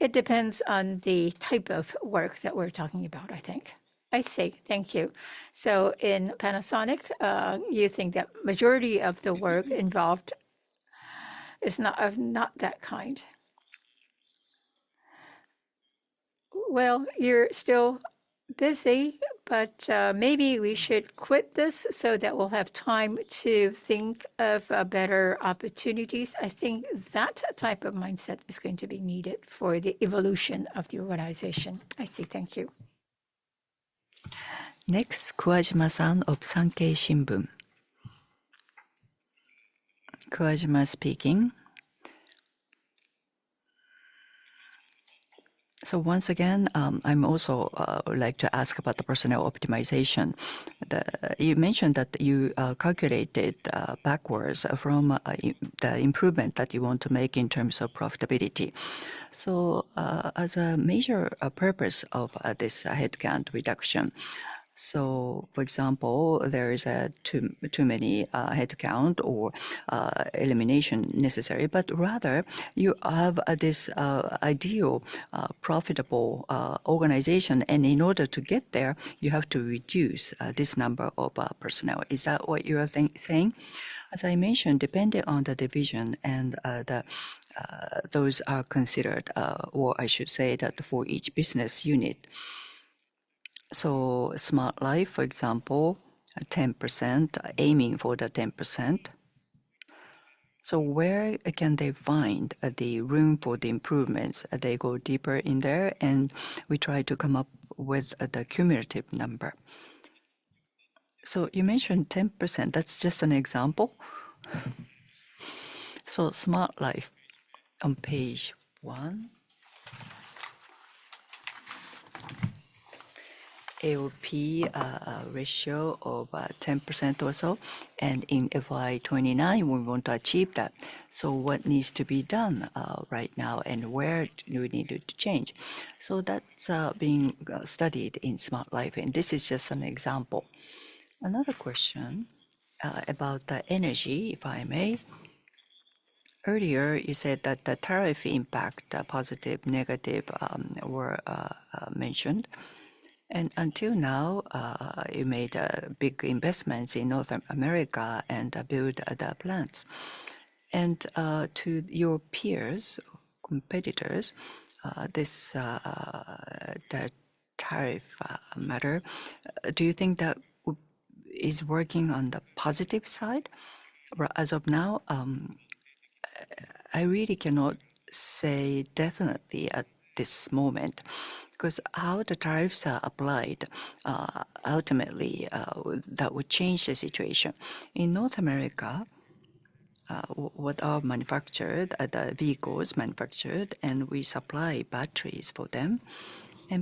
[SPEAKER 3] It depends on the type of work that we're talking about, I think.
[SPEAKER 7] I see. Thank you. In Panasonic, you think that majority of the work involved is not that kind?
[SPEAKER 3] You're still busy, but maybe we should quit this so that we'll have time to think of better opportunities. I think that type of mindset is going to be needed for the evolution of the organization.
[SPEAKER 7] I see. Thank you.
[SPEAKER 1] Next, Akira Kojima-san of Sankei Shimbun.
[SPEAKER 8] Kojima speaking. Once again, I also would like to ask about the personnel optimization. You mentioned that you calculated backwards from the improvement that you want to make in terms of profitability. As a major purpose of this headcount reduction, for example, there are too many headcount or elimination necessary, but rather you have this ideal profitable organization. In order to get there, you have to reduce this number of personnel. Is that what you are saying? \
[SPEAKER 3] As I mentioned, depending on the division and those are considered, or I should say that for each business unit. Smart Life, for example, 10%, aiming for the 10%. Where can they find the room for the improvements? They go deeper in there, and we try to come up with the cumulative number.
[SPEAKER 8] You mentioned 10%. That is just an example? Smart Life on page one. AOP ratio of 10% or so. In FY2029, we want to achieve that. What needs to be done right now and where do we need to change? That is being studied in Smart Life. This is just an example. Another question about the energy, if I may. Earlier, you said that the tariff impact, positive, negative, were mentioned. Until now, you made big investments in North America and built the plants. To your peers, competitors, the tariff matter, do you think that is working on the positive side?
[SPEAKER 3] As of now, I really cannot say definitely at this moment because how the tariffs are applied, ultimately, that would change the situation. In North America, what are manufactured, the vehicles manufactured, and we supply batteries for them.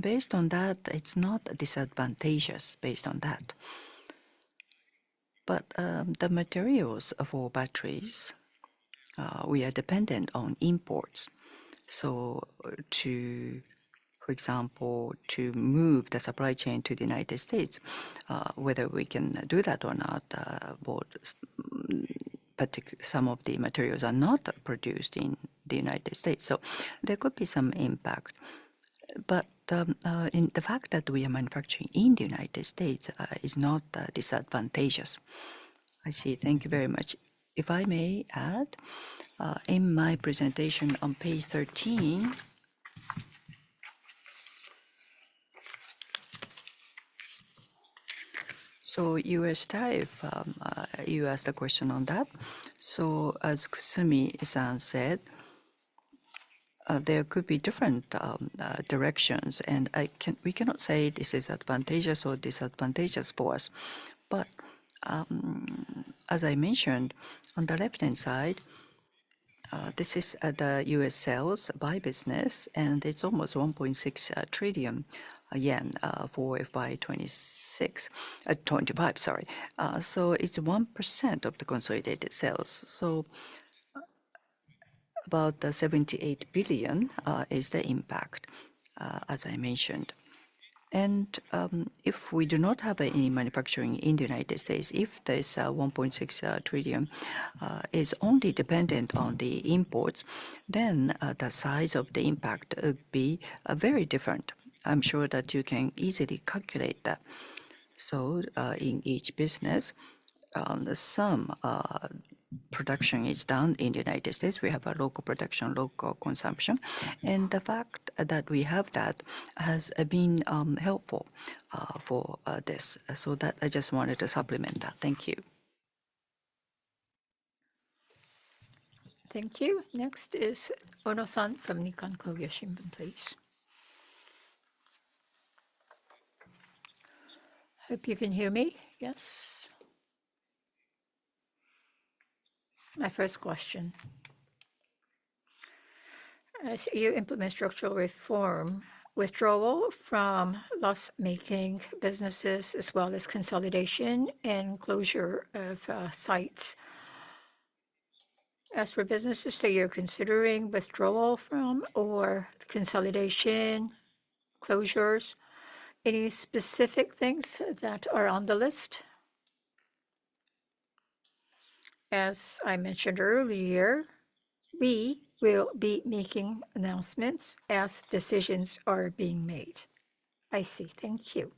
[SPEAKER 3] Based on that, it is not disadvantageous based on that. But the materials for batteries, we are dependent on imports. For example, to move the supply chain to the U.S., whether we can do that or not, some of the materials are not produced in the U.S. There could be some impact. The fact that we are manufacturing in the U.S. is not disadvantageous.
[SPEAKER 8] I see. Thank you very much.
[SPEAKER 2] If I may add, in my presentation on page 13, U.S. tariff, you asked a question on that. As Kusumi-san said, there could be different directions. We cannot say this is advantageous or disadvantageous for us. As I mentioned, on the left-hand side, this is the U.S. sales by business, and it is almost 1.6 trillion yen for FY2026, 2025, sorry. It is 1% of the consolidated sales. About 78 billion is the impact, as I mentioned. If we do not have any manufacturing in the United States, if this 1.6 trillion is only dependent on the imports, then the size of the impact would be very different. I'm sure that you can easily calculate that. In each business, some production is done in the United States. We have a local production, local consumption. The fact that we have that has been helpful for this. I just wanted to supplement that. Thank you.
[SPEAKER 1] Thank you. Next is Shinichi Amano-san from Nikkan Kogyo Shimbun, please.
[SPEAKER 9] Hope you can hear me. Yes. My first question. As you implement structural reform, withdrawal from loss-making businesses as well as consolidation and closure of sites. As for businesses that you're considering withdrawal from or consolidation, closures, any specific things that are on the list?
[SPEAKER 3] As I mentioned earlier, we will be making announcements as decisions are being made.
[SPEAKER 9] I see. Thank you.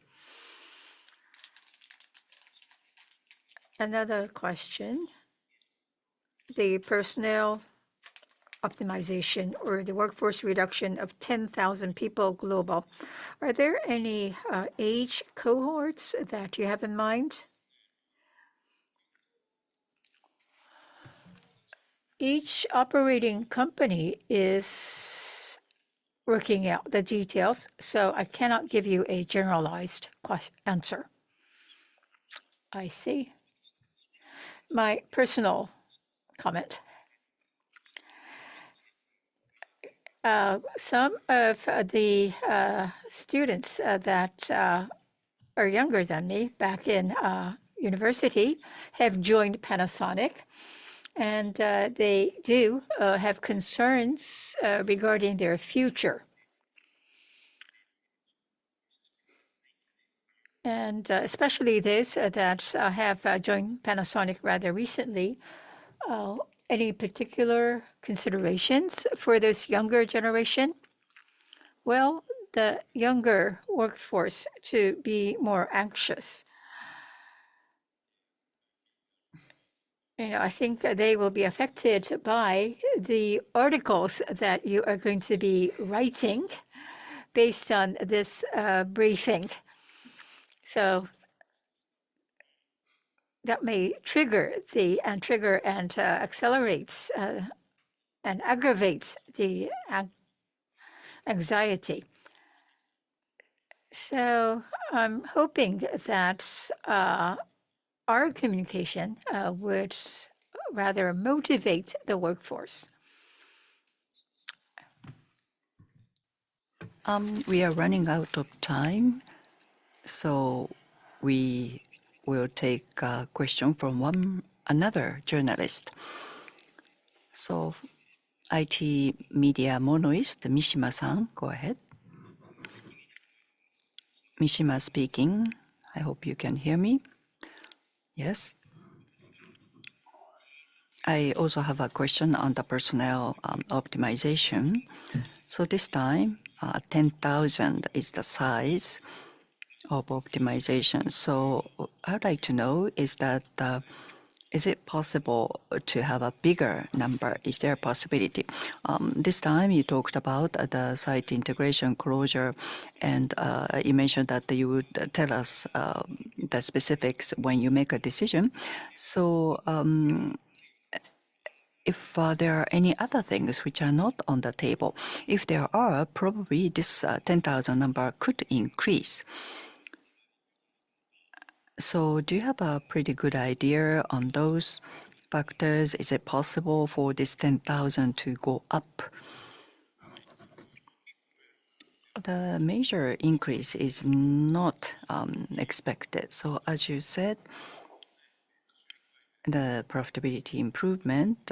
[SPEAKER 9] Another question. The personnel optimization or the workforce reduction of 10,000 people global, are there any age cohorts that you have in mind?
[SPEAKER 3] Each operating company is working out the details, so I cannot give you a generalized answer.
[SPEAKER 9] I see. My personal comment. Some of the students that are younger than me back in university have joined Panasonic, and they do have concerns regarding their future. Especially those that have joined Panasonic rather recently, any particular considerations for this younger generation?
[SPEAKER 3] The younger workforce may be more anxious. I think they will be affected by the articles that you are going to be writing based on this briefing. That may trigger and accelerate and aggravate the anxiety. I am hoping that our communication would rather motivate the workforce.
[SPEAKER 1] We are running out of time, so we will take a question from another journalist. IT Media MONOist, Kasutaka Mishima-san, go ahead.
[SPEAKER 10] Mishimo speaking. I hope you can hear me.
[SPEAKER 1] Yes.
[SPEAKER 10] I also have a question on the personnel optimization. This time, 10,000 is the size of optimization. I'd like to know, is it possible to have a bigger number? Is there a possibility? This time, you talked about the site integration closure, and you mentioned that you would tell us the specifics when you make a decision. If there are any other things which are not on the table, if there are, probably this 10,000 number could increase. Do you have a pretty good idea on those factors? Is it possible for this 10,000 to go up?
[SPEAKER 2] The major increase is not expected. As you said, the profitability improvement,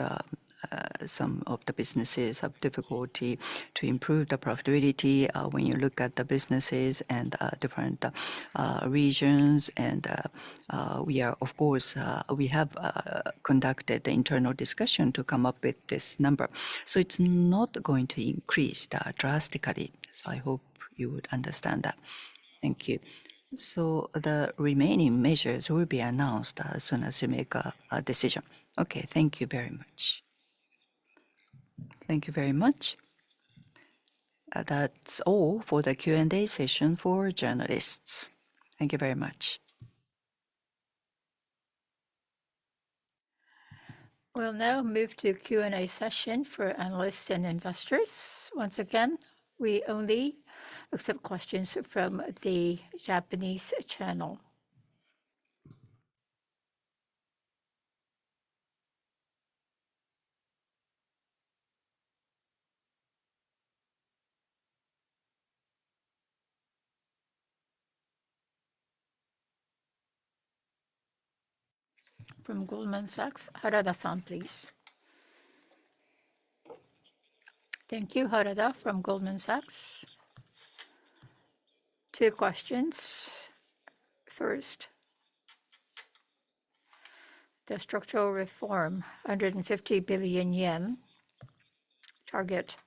[SPEAKER 2] some of the businesses have difficulty to improve the profitability when you look at the businesses and different regions. We have conducted the internal discussion to come up with this number. It is not going to increase drastically. I hope you would understand that. Thank you. The remaining measures will be announced as soon as you make a decision.
[SPEAKER 5] Thank you very much.
[SPEAKER 1] Thank you very much. That is all for the Q and A session for journalists. Thank you very much. We'll now move to Q and A session for analysts and investors. Once again, we only accept questions from the Japanese channel. From Goldman Sachs, Ryo Harada-san, please.
[SPEAKER 11] Thank you, Harada, from Goldman Sachs. Two questions. First, the structural reform, 150 billion yen target.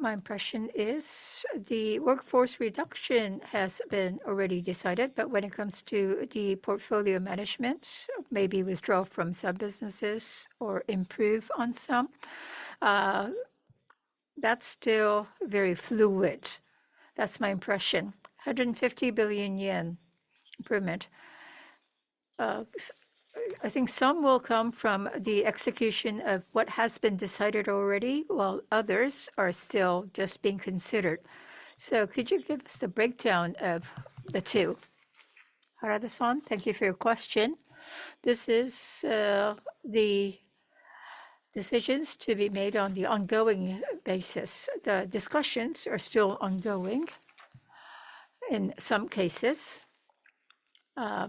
[SPEAKER 11] My impression is the workforce reduction has been already decided, but when it comes to the portfolio management, maybe withdraw from some businesses or improve on some. That's still very fluid. That's my impression. 150 billion yen improvement. I think some will come from the execution of what has been decided already, while others are still just being considered. Could you give us the breakdown of the two?
[SPEAKER 3] Harada-san, thank you for your question. This is the decisions to be made on the ongoing basis. The discussions are still ongoing in some cases,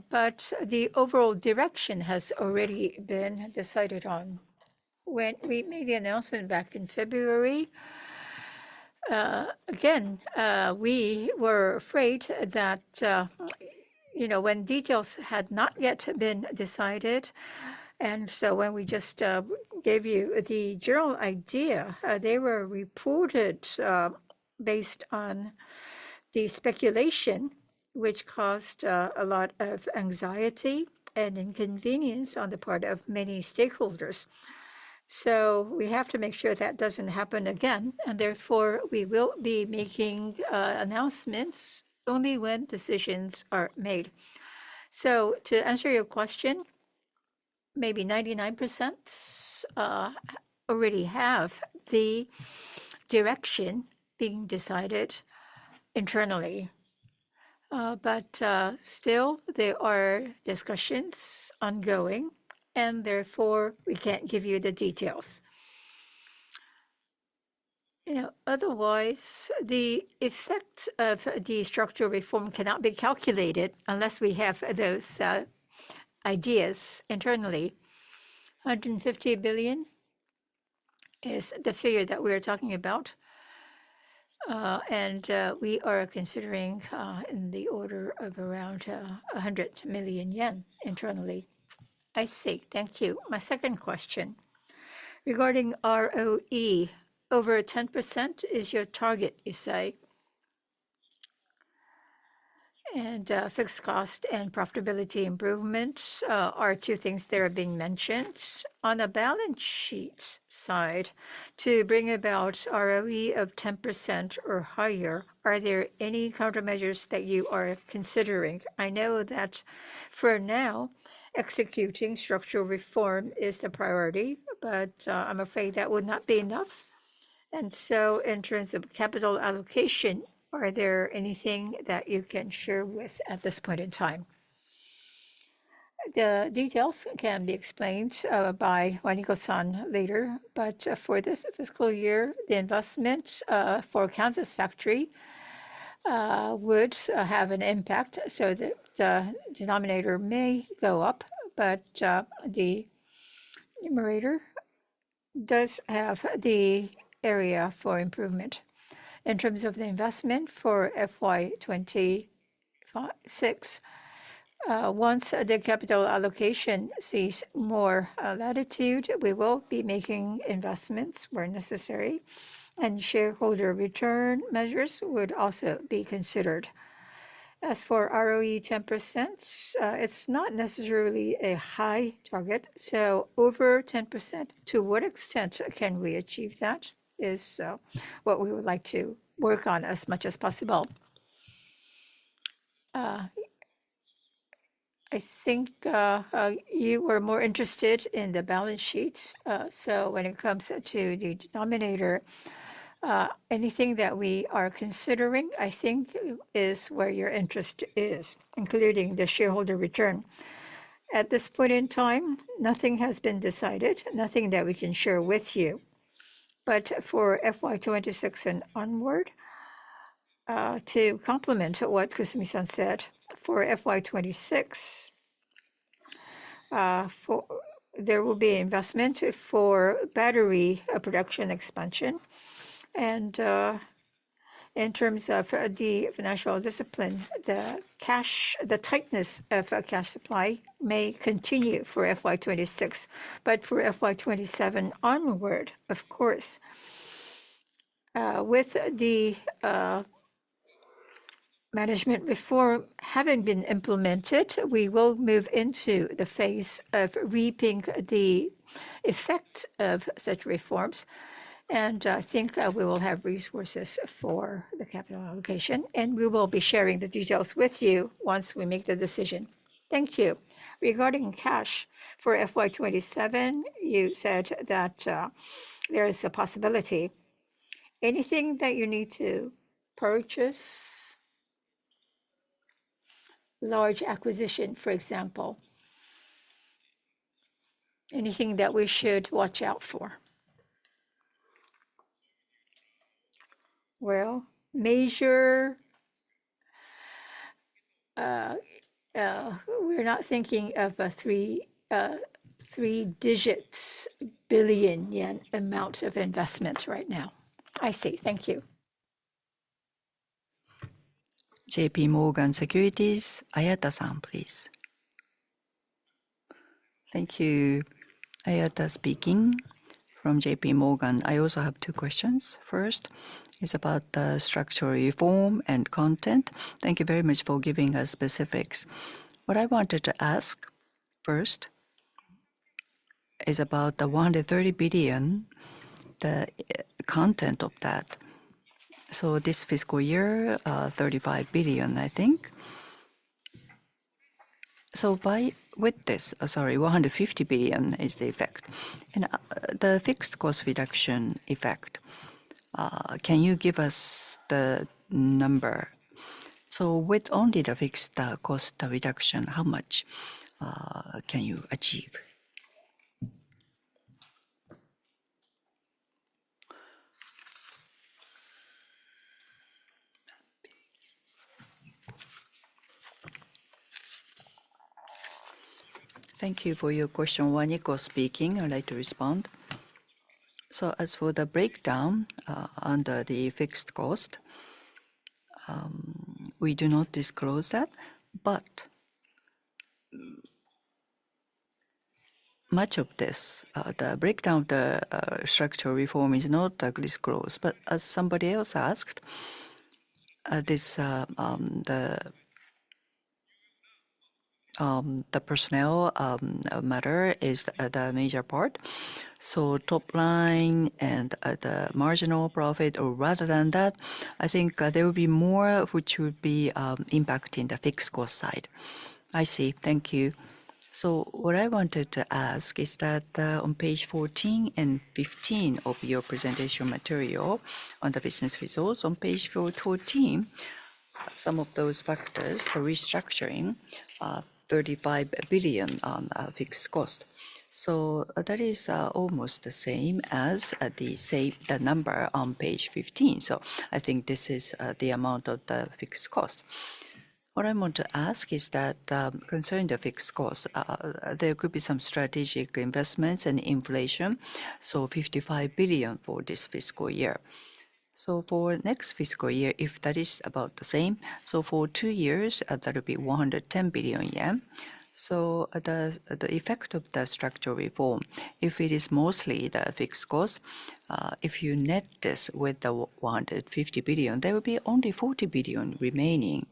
[SPEAKER 3] but the overall direction has already been decided on. When we made the announcement back in February, again, we were afraid that when details had not yet been decided. And so when we just gave you the general idea, they were reported based on the speculation, which caused a lot of anxiety and inconvenience on the part of many stakeholders. We have to make sure that does not happen again. Therefore, we will be making announcements only when decisions are made. To answer your question, maybe 99% already have the direction being decided internally. But still, there are discussions ongoing, and therefore, we cannot give you the details. Otherwise, the effect of the structural reform cannot be calculated unless we have those ideas internally. 150 billion is the figure that we are talking about. We are considering in the order of around 100 million yen internally.
[SPEAKER 11] I see. Thank you. My second question regarding ROE, over 10% is your target, you say. Fixed cost and profitability improvements are two things that are being mentioned. On the balance sheet side, to bring about ROE of 10% or higher, are there any countermeasures that you are considering? I know that for now, executing structural reform is the priority, but I'm afraid that would not be enough. In terms of capital allocation, is there anything that you can share at this point in time?
[SPEAKER 3] The details can be explained by Waniko-san later, but for this fiscal year, the investment for Kansas Factory would have an impact. The denominator may go up, but the numerator does have the area for improvement.
[SPEAKER 2] In terms of the investment for FY2026, once the capital allocation sees more latitude, we will be making investments where necessary, and shareholder return measures would also be considered. As for ROE 10%, it's not necessarily a high target. Over 10%, to what extent can we achieve that is what we would like to work on as much as possible. I think you were more interested in the balance sheet. When it comes to the denominator, anything that we are considering, I think, is where your interest is, including the shareholder return. At this point in time, nothing has been decided, nothing that we can share with you. For FY2026 and onward, to complement what Kusumi-san said, for FY2026, there will be investment for battery production expansion. In terms of the financial discipline, the tightness of cash supply may continue for FY2026. For FY2027 onward, of course, with the management reform having been implemented, we will move into the phase of reaping the effect of such reforms. I think we will have resources for the capital allocation, and we will be sharing the details with you once we make the decision.
[SPEAKER 11] Thank you. Regarding cash for FY2027, you said that there is a possibility. Anything that you need to purchase, large acquisition, for example? Anything that we should watch out for?
[SPEAKER 2] Major, we're not thinking of a three-digit billion Yen amount of investment right now.
[SPEAKER 11] I see. Thank you.
[SPEAKER 1] JPMorgan Securities, Junya Ayada-san, please.
[SPEAKER 12] Thank you. Ayada speaking from JPMorgan. I also have two questions. First is about the structural reform and content. Thank you very much for giving us specifics. What I wanted to ask first is about the 130 billion, the content of that. This fiscal year, 35 billion, I think. With this, sorry, 150 billion is the effect. The fixed cost reduction effect, can you give us the number? With only the fixed cost reduction, how much can you achieve?
[SPEAKER 2] Thank you for your question. Waniko speaking. I'd like to respond. As for the breakdown under the fixed cost, we do not disclose that. Much of this, the breakdown of the structural reform is not disclosed. As somebody else asked, the personnel matter is the major part. Top line and the marginal profit, or rather than that, I think there will be more which would be impacting the fixed cost side.
[SPEAKER 12] I see. Thank you. What I wanted to ask is that on page 14 and 15 of your presentation material on the business results, on page 14, some of those factors, the restructuring, 35 billion on fixed cost. That is almost the same as the number on page 15. I think this is the amount of the fixed cost. What I want to ask is that concerning the fixed cost, there could be some strategic investments and inflation. 55 billion for this fiscal year. For next fiscal year, if that is about the same, for two years, that will be 110 billion yen. The effect of the structural reform, if it is mostly the fixed cost, if you net this with the 150 billion, there will be only 40 billion remaining.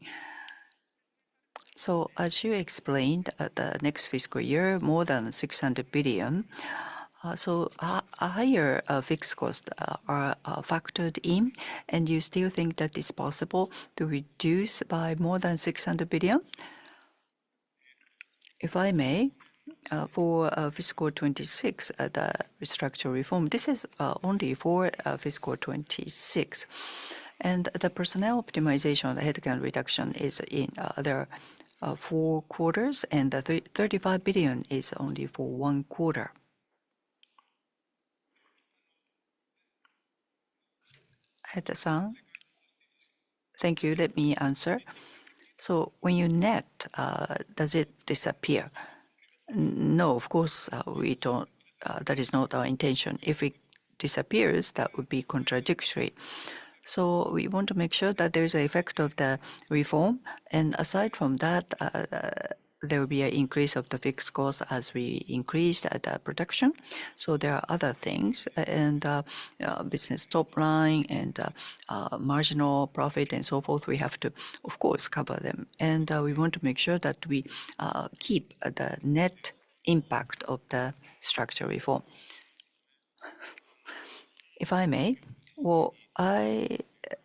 [SPEAKER 12] As you explained, the next fiscal year, more than 600 billion. Higher fixed costs are factored in. You still think that it is possible to reduce by more than 600 billion?
[SPEAKER 2] If I may, for fiscal 2026, the structural reform, this is only for fiscal 2026. The personnel optimization on the headcount reduction is in their four quarters, and the 35 billion is only for one quarter. Ayada-san?
[SPEAKER 3] Thank you. Let me answer. When you net, does it disappear? No, of course, we do not. That is not our intention. If it disappears, that would be contradictory. We want to make sure that there is an effect of the reform. Aside from that, there will be an increase of the fixed cost as we increase the production. There are other things, and business top line and marginal profit and so forth. We have to, of course, cover them. We want to make sure that we keep the net impact of the structural reform. If I may, I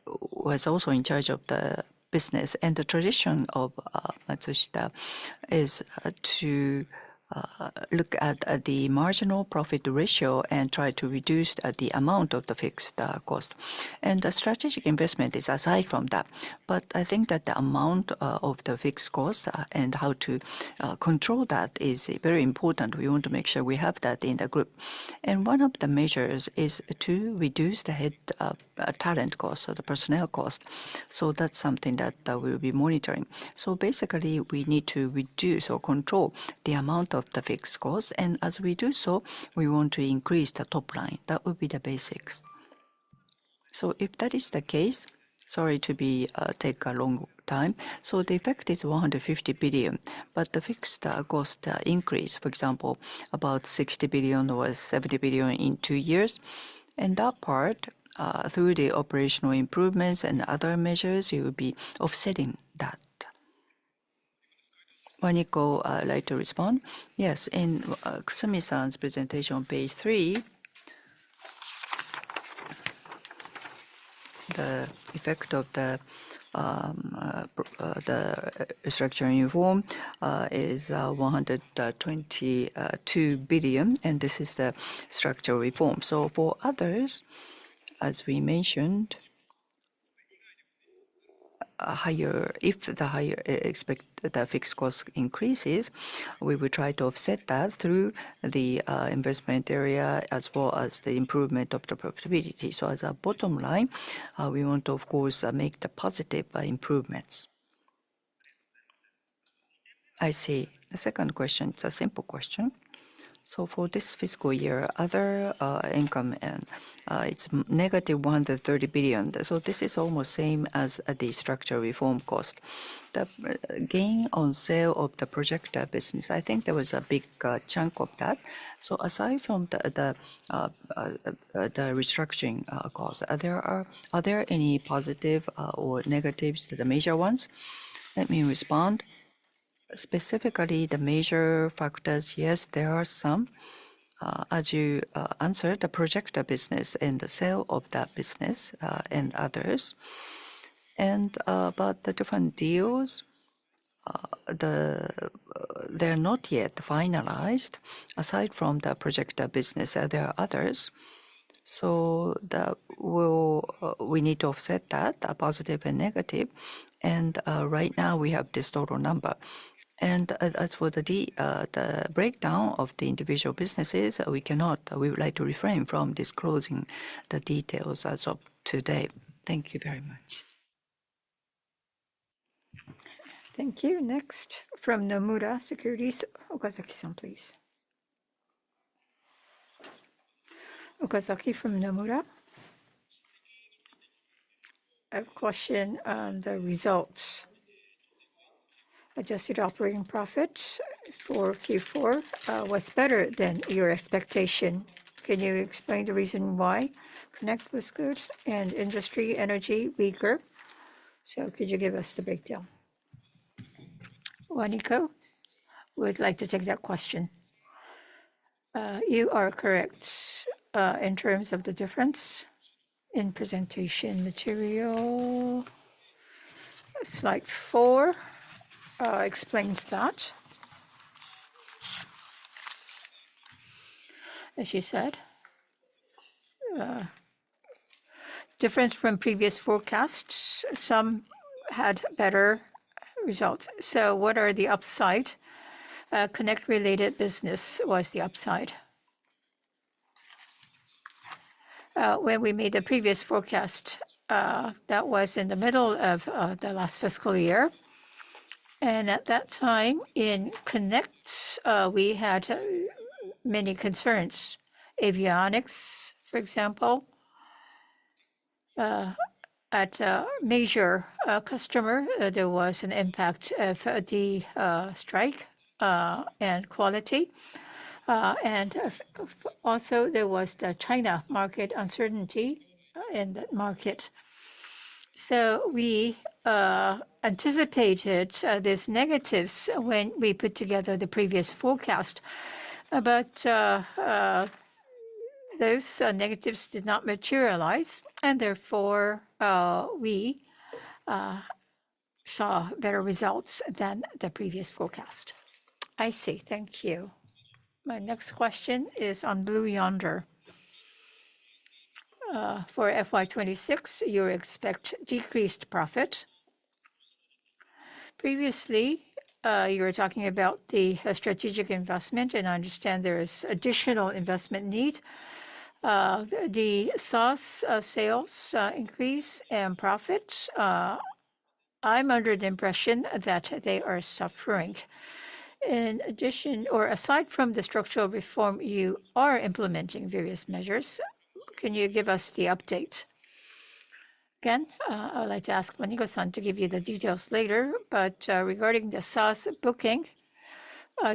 [SPEAKER 3] was also in charge of the business. The tradition of Matsushita is to look at the marginal profit ratio and try to reduce the amount of the fixed cost. The strategic investment is aside from that. I think that the amount of the fixed cost and how to control that is very important. We want to make sure we have that in the group. One of the measures is to reduce the head talent cost, so the personnel cost. That is something that we'll be monitoring. Basically, we need to reduce or control the amount of the fixed cost. As we do so, we want to increase the top line. That would be the basics.
[SPEAKER 12] If that is the case, sorry to take a long time. The effect is 150 billion. The fixed cost increase, for example, is about 60 billion or 70 billion in two years. That part, through the operational improvements and other measures, you will be offsetting that.
[SPEAKER 2] Waniko, I'd like to respond. Yes. In Kusumi-san's presentation on page three, the effect of the structural reform is 122 billion. This is the structural reform. For others, as we mentioned, if the fixed cost increases, we will try to offset that through the investment area as well as the improvement of the profitability. As a bottom line, we want to, of course, make the positive improvements.
[SPEAKER 12] I see. The second question, it's a simple question. For this fiscal year, other income, and it's negative 130 billion. This is almost the same as the structural reform cost. The gain on sale of the projected business, I think there was a big chunk of that. Aside from the restructuring cost, are there any positive or negatives, the major ones?
[SPEAKER 3] Let me respond. Specifically, the major factors, yes, there are some. As you answered, the projected business and the sale of that business and others. About the different deals, they're not yet finalized. Aside from the projected business, there are others. We need to offset that, positive and negative. Right now, we have this total number. As for the breakdown of the individual businesses, we would like to refrain from disclosing the details as of today.
[SPEAKER 12] Thank you very much.
[SPEAKER 1] Thank you. Next, from Nomura Securities, Yu Okazaki-san, please.
[SPEAKER 13] Okazaki from Nomura. I have a question on the results. Adjusted operating profit for Q4 was better than your expectation. Can you explain the reason why Connect was good and Industry Energy weaker? Could you give us the breakdown?
[SPEAKER 2] Waniko, we'd like to take that question. You are correct in terms of the difference in presentation material. Slide four explains that, as you said. Difference from previous forecasts. Some had better results. What are the upside? Connect-related business was the upside. When we made the previous forecast, that was in the middle of the last fiscal year. At that time, in Connect, we had many concerns. Avionics, for example. At a major customer, there was an impact of the strike and quality. Also, there was the China market uncertainty in that market. We anticipated these negatives when we put together the previous forecast. Those negatives did not materialize. Therefore, we saw better results than the previous forecast.
[SPEAKER 13] I see. Thank you. My next question is on Blue Yonder. For FY2026, you expect decreased profit. Previously, you were talking about the strategic investment, and I understand there is additional investment need. The SOS sales increase and profits. I'm under the impression that they are suffering. In addition, or aside from the structural reform, you are implementing various measures. Can you give us the update?
[SPEAKER 3] Again, I would like to ask Waniko-san to give you the details later. Regarding the SOS booking,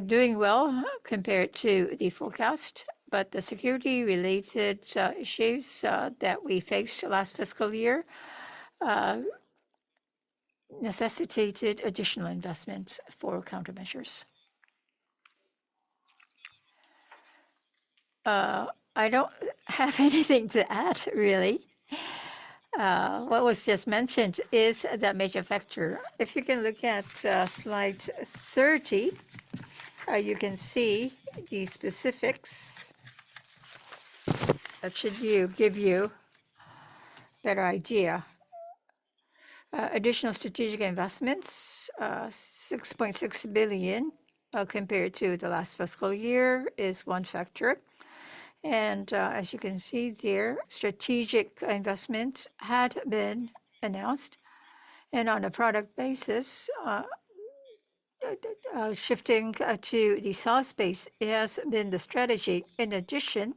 [SPEAKER 3] doing well compared to the forecast. The security-related issues that we faced last fiscal year necessitated additional investments for countermeasures.
[SPEAKER 2] I do not have anything to add, really. What was just mentioned is the major factor. If you can look at slide 30, you can see the specifics that should give you a better idea. Additional strategic investments, 6.6 billion compared to the last fiscal year is one factor. As you can see there, strategic investment had been announced. On a product basis, shifting to the SOS space has been the strategy. In addition,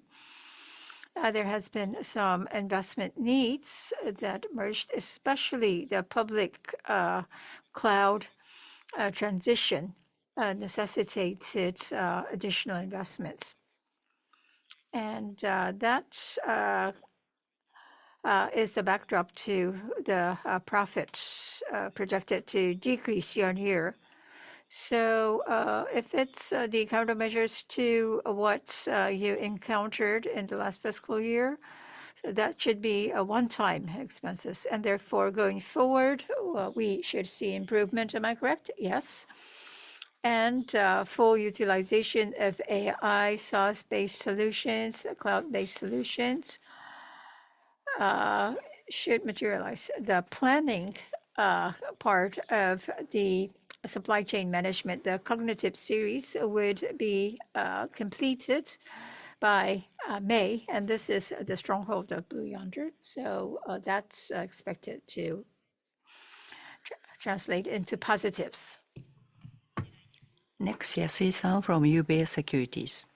[SPEAKER 2] there has been some investment needs that emerged, especially the public cloud transition necessitates additional investments. That is the backdrop to the profits projected to decrease year on year. If it's the countermeasures to what you encountered in the last fiscal year, that should be one-time expenses. Therefore, going forward, we should see improvement. Am I correct? Yes. Full utilization of AI SOS-based solutions, cloud-based solutions should materialize. The planning part of the supply chain management, the cognitive series would be completed by May. This is the stronghold of Blue Yonder. That is expected to translate into positives.
[SPEAKER 1] Next, Yasui-san from UBS Securities.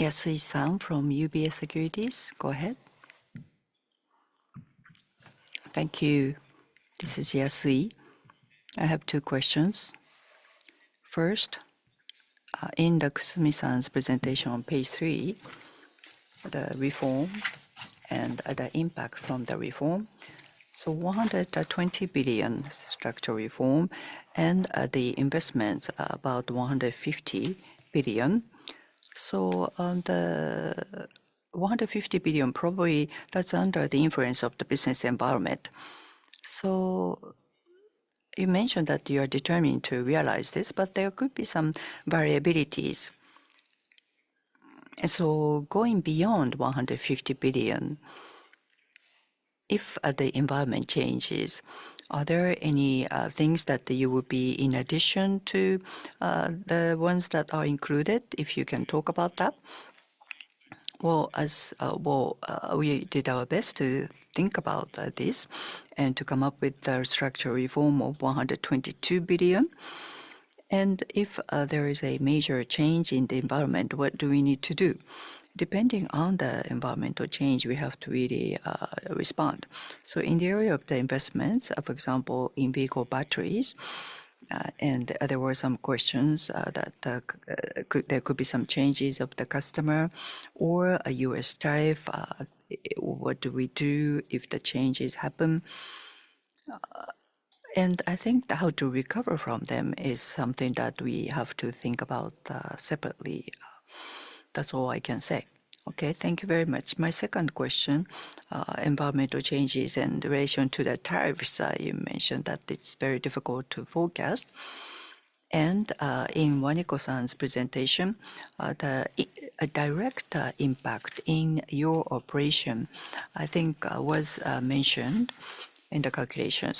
[SPEAKER 1] Yasui-san from UBS Securities, go ahead.
[SPEAKER 14] Thank you. This is Yasui. I have two questions. First, in Kusumi-san's presentation on page three, the reform and the impact from the reform. 120 billion structural reform and the investments, about 150 billion. The 150 billion, probably that is under the influence of the business environment. You mentioned that you are determined to realize this, but there could be some variabilities. Going beyond 150 billion, if the environment changes, are there any things that you would be in addition to the ones that are included? If you can talk about that.
[SPEAKER 3] We did our best to think about this and to come up with the structural reform of 122 billion. If there is a major change in the environment, what do we need to do? Depending on the environmental change, we have to really respond. In the area of the investments, for example, in-vehicle batteries, there were some questions that there could be some changes of the customer or a US tariff. What do we do if the changes happen? I think how to recover from them is something that we have to think about separately. That's all I can say.
[SPEAKER 14] Okay. Thank you very much. My second question, environmental changes and relation to the tariffs, you mentioned that it's very difficult to forecast. In Waniko-san's presentation, the direct impact in your operation, I think, was mentioned in the calculation.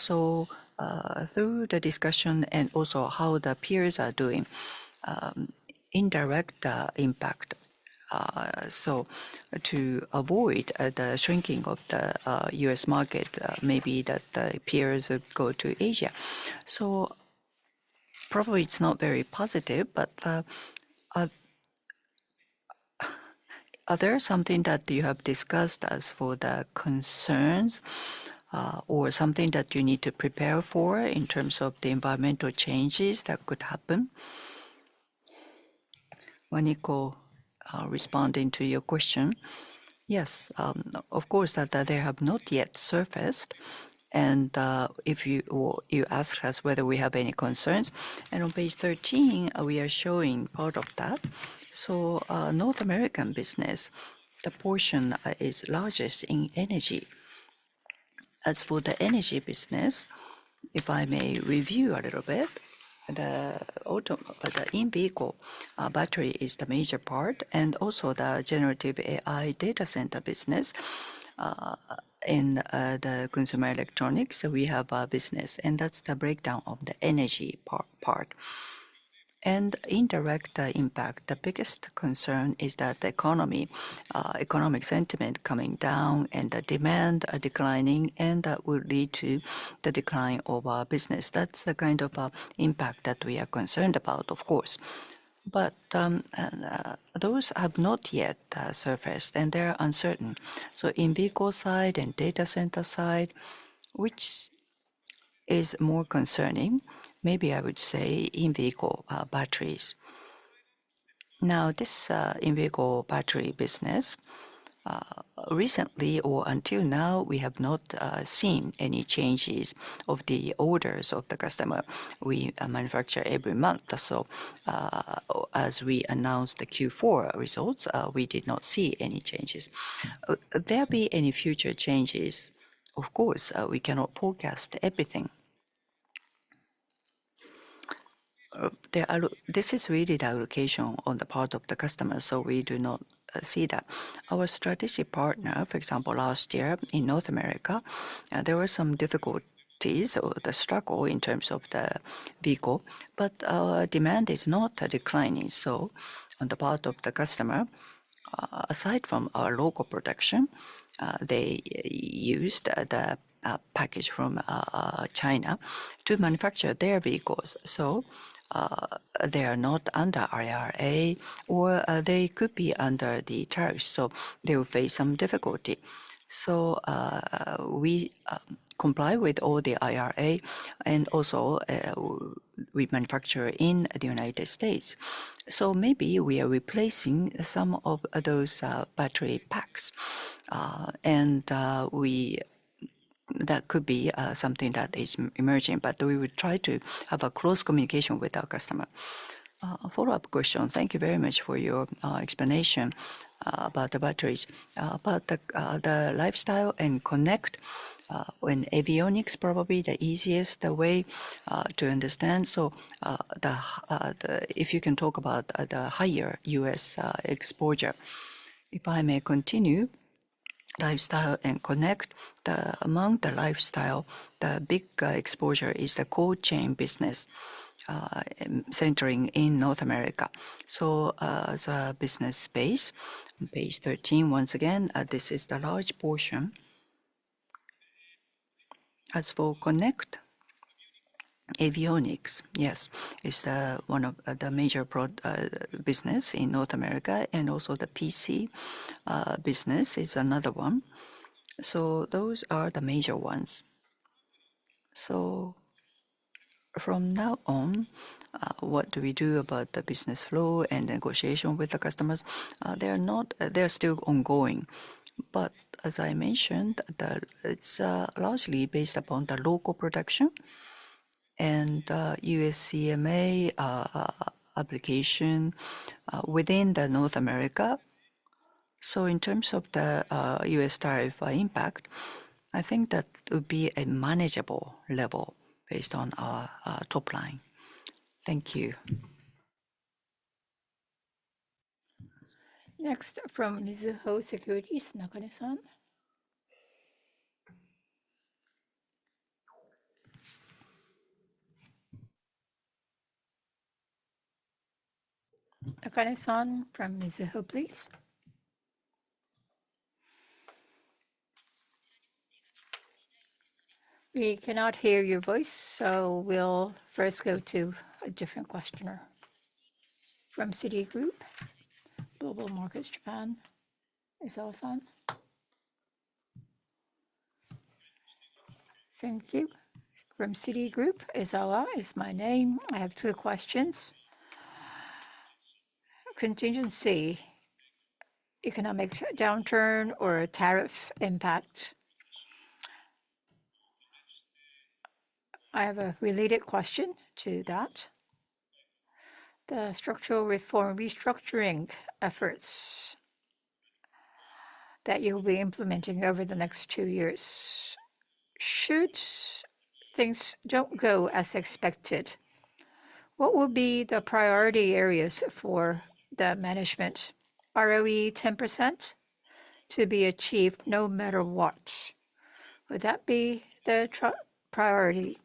[SPEAKER 14] Through the discussion and also how the peers are doing, indirect impact. To avoid the shrinking of the US market, maybe the peers go to Asia. Probably it is not very positive, but are there things that you have discussed as for the concerns or something that you need to prepare for in terms of the environmental changes that could happen?
[SPEAKER 2] Waniko, responding to your question. Yes, of course, they have not yet surfaced. If you ask us whether we have any concerns, on page 13, we are showing part of that. North American business, the portion is largest in energy. As for the energy business, if I may review a little bit, the in-vehicle battery is the major part. Also, the generative AI data center business in the consumer electronics, we have a business. That is the breakdown of the energy part. Indirect impact, the biggest concern is that the economy, economic sentiment coming down and the demand declining, and that would lead to the decline of our business. That is the kind of impact that we are concerned about, of course. Those have not yet surfaced, and they are uncertain. In-vehicle side and data center side, which is more concerning? Maybe I would say in-vehicle batteries. Now, this in-vehicle battery business, recently or until now, we have not seen any changes of the orders of the customer. We manufacture every month. As we announced the Q4 results, we did not see any changes. Will there be any future changes? Of course, we cannot forecast everything. This is really the allocation on the part of the customer, so we do not see that. Our strategy partner, for example, last year in North America, there were some difficulties or the struggle in terms of the vehicle. Demand is not declining. On the part of the customer, aside from our local production, they used the package from China to manufacture their vehicles. They are not under IRA, or they could be under the tariffs. They will face some difficulty. We comply with all the IRA, and also we manufacture in the United States. Maybe we are replacing some of those battery packs. That could be something that is emerging. We will try to have a close communication with our customer.
[SPEAKER 14] Follow-up question. Thank you very much for your explanation about the batteries. The lifestyle and connect, when avionics probably the easiest way to understand. If you can talk about the higher US exposure.
[SPEAKER 2] If I may continue, lifestyle and connect, among the lifestyle, the big exposure is the cold chain business centering in North America. The business space, page 13, once again, this is the large portion. As for Connect, avionics, yes, is one of the major businesses in North America. Also, the PC business is another one. Those are the major ones. From now on, what do we do about the business flow and negotiation with the customers? They are still ongoing. As I mentioned, it is largely based upon the local production and US CMA application within North America. In terms of the U.S. tariff impact, I think that would be a manageable level based on our top line.
[SPEAKER 14] Thank you.
[SPEAKER 1] Next, from Mizuho Securities, Nakane-san. Nakane-san, from Mizuho, please. We cannot hear your voice, so we will first go to a different questioner. From Citigroup Global Markets Japan, Ezawa-san.
[SPEAKER 15] Thank you. From Citigroup, Ezawa is my name. I have two questions. Contingency, economic downturn or tariff impact. I have a related question to that. The structural reform restructuring efforts that you'll be implementing over the next two years, should things don't go as expected, what will be the priority areas for the management? ROE 10% to be achieved no matter what. Would that be the priority?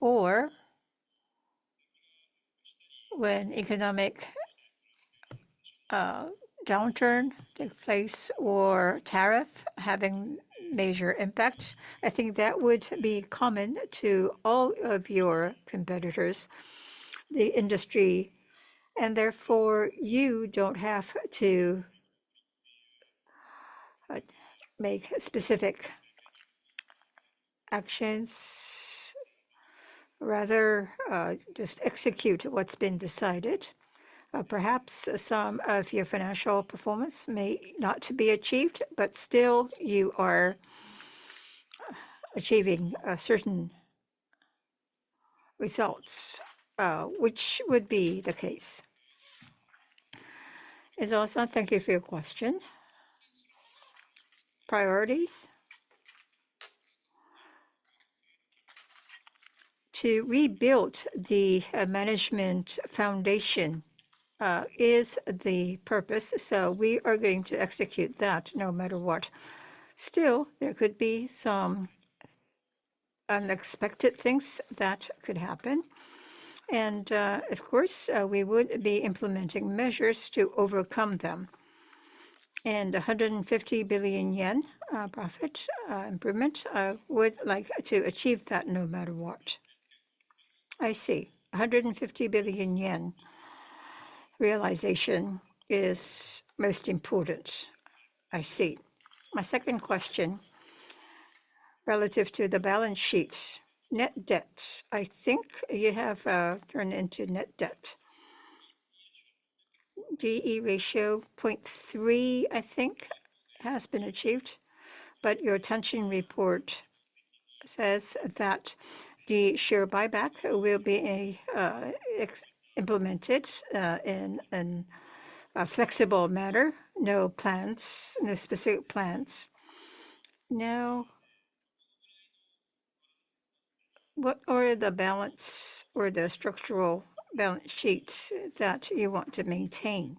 [SPEAKER 15] Or when economic downturn takes place or tariff having major impact, I think that would be common to all of your competitors, the industry, and therefore you don't have to make specific actions, rather just execute what's been decided. Perhaps some of your financial performance may not be achieved, but still you are achieving certain results. Which would be the case?
[SPEAKER 3] Ezawa-san, thank you for your question. Priorities. To rebuild the management foundation is the purpose. We are going to execute that no matter what. Still, there could be some unexpected things that could happen. Of course, we would be implementing measures to overcome them. 150 billion yen profit improvement, I would like to achieve that no matter what.
[SPEAKER 15] I see. 150 billion yen realization is most important. I see. My second question relative to the balance sheets, net debt, I think you have turned into net debt. DE ratio 0.3, I think, has been achieved. Your attention report says that the share buyback will be implemented in a flexible manner, no specific plans. What are the balance or the structural balance sheets that you want to maintain?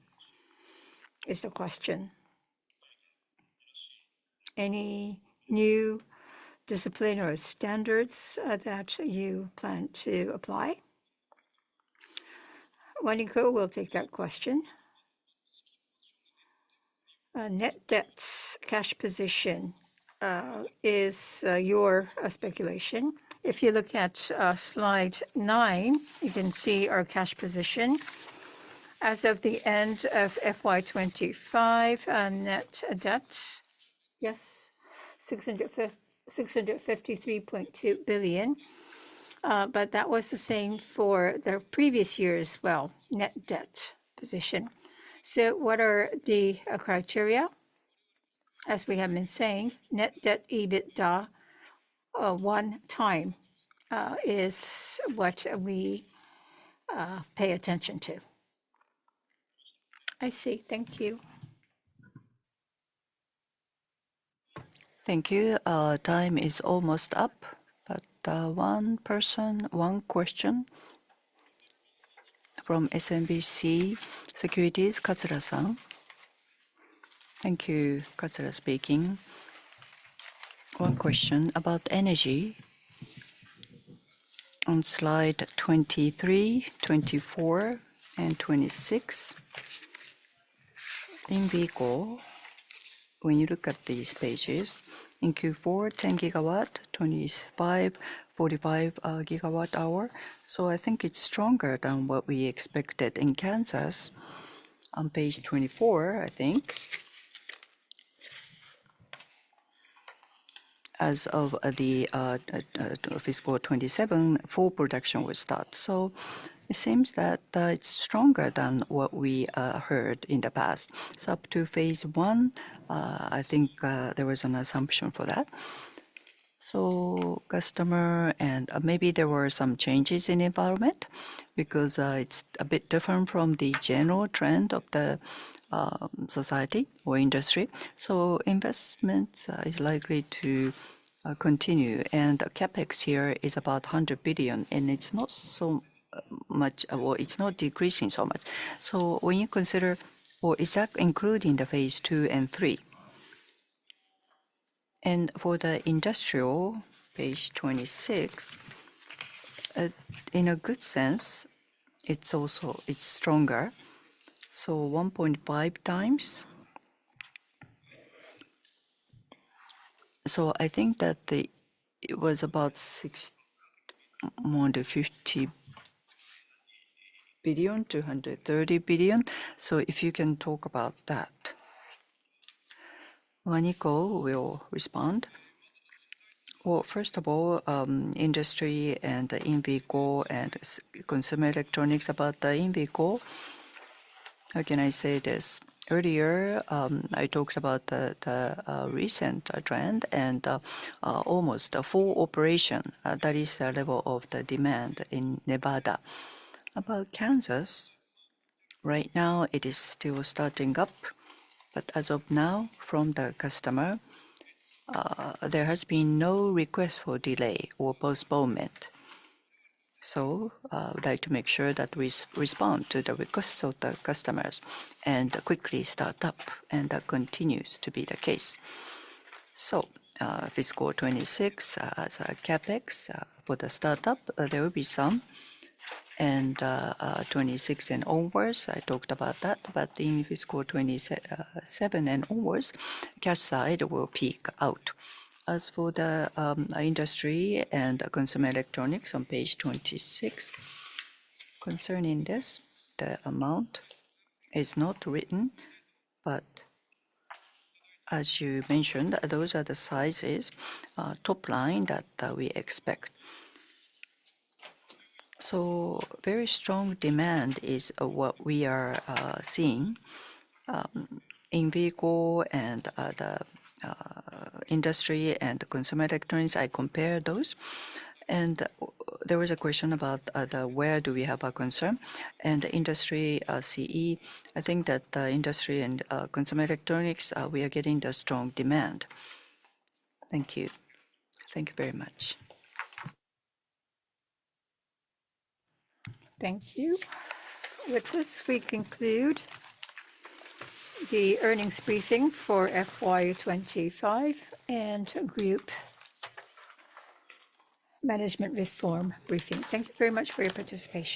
[SPEAKER 15] Is the question. Any new discipline or standards that you plan to apply?
[SPEAKER 3] Waniko will take that question.
[SPEAKER 2] Net debt cash position is your speculation. If you look at slide nine, you can see our cash position as of the end of FY2025, net debt, yes, 653.2 billion. That was the same for the previous year as well, net debt position. What are the criteria? As we have been saying, net debt EBITDA one time is what we pay attention to.
[SPEAKER 15] I see. Thank you.
[SPEAKER 1] Thank you. Time is almost up. One person, one question from SMBC Nikko Securities, Katsura-san.
[SPEAKER 16] Thank you, Katsura speaking. One question about energy on slide 23, 24, and 26. In-vehicle, when you look at these pages, in Q4, 10 gigawatt, 25, 45 gigawatt hour. I think it is stronger than what we expected in Kansas. On page 24, I think, as of fiscal 2027, full production will start. It seems that it is stronger than what we heard in the past. Up to phase one, I think there was an assumption for that. Customer, and maybe there were some changes in the environment because it is a bit different from the general trend of the society or industry. Investments are likely to continue. The CapEx here is about 100 billion, and it is not so much, or it is not decreasing so much. When you consider, or is that including the phase two and three? For the industrial, page 26, in a good sense, it is also stronger. 1.5 times. I think that it was about more than 50 billion, 230 billion. If you can talk about that.
[SPEAKER 2] Waniko will respond. First of all, industry and in-vehicle and consumer electronics, about the in-vehicle. How can I say this? Earlier, I talked about the recent trend and almost full operation. That is the level of the demand in Nevada. About Kansas, right now, it is still starting up. As of now, from the customer, there has been no request for delay or postponement. I would like to make sure that we respond to the requests of the customers and quickly start up, and that continues to be the case. For fiscal 2026, as a CapEx for the startup, there will be some. For 2026 and onwards, I talked about that. In fiscal 2027 and onwards, cash side will peak out. As for the industry and consumer electronics, on page 26, concerning this, the amount is not written. As you mentioned, those are the sizes, top line that we expect. Very strong demand is what we are seeing in vehicle and the industry and consumer electronics. I compare those. There was a question about where do we have a concern. In industry and consumer electronics, we are getting the strong demand.
[SPEAKER 16] Thank you.
[SPEAKER 2] Thank you very much. Thank you. With this, we conclude the earnings briefing for FY2025 and Group Management Reform briefing. Thank you very much for your participation.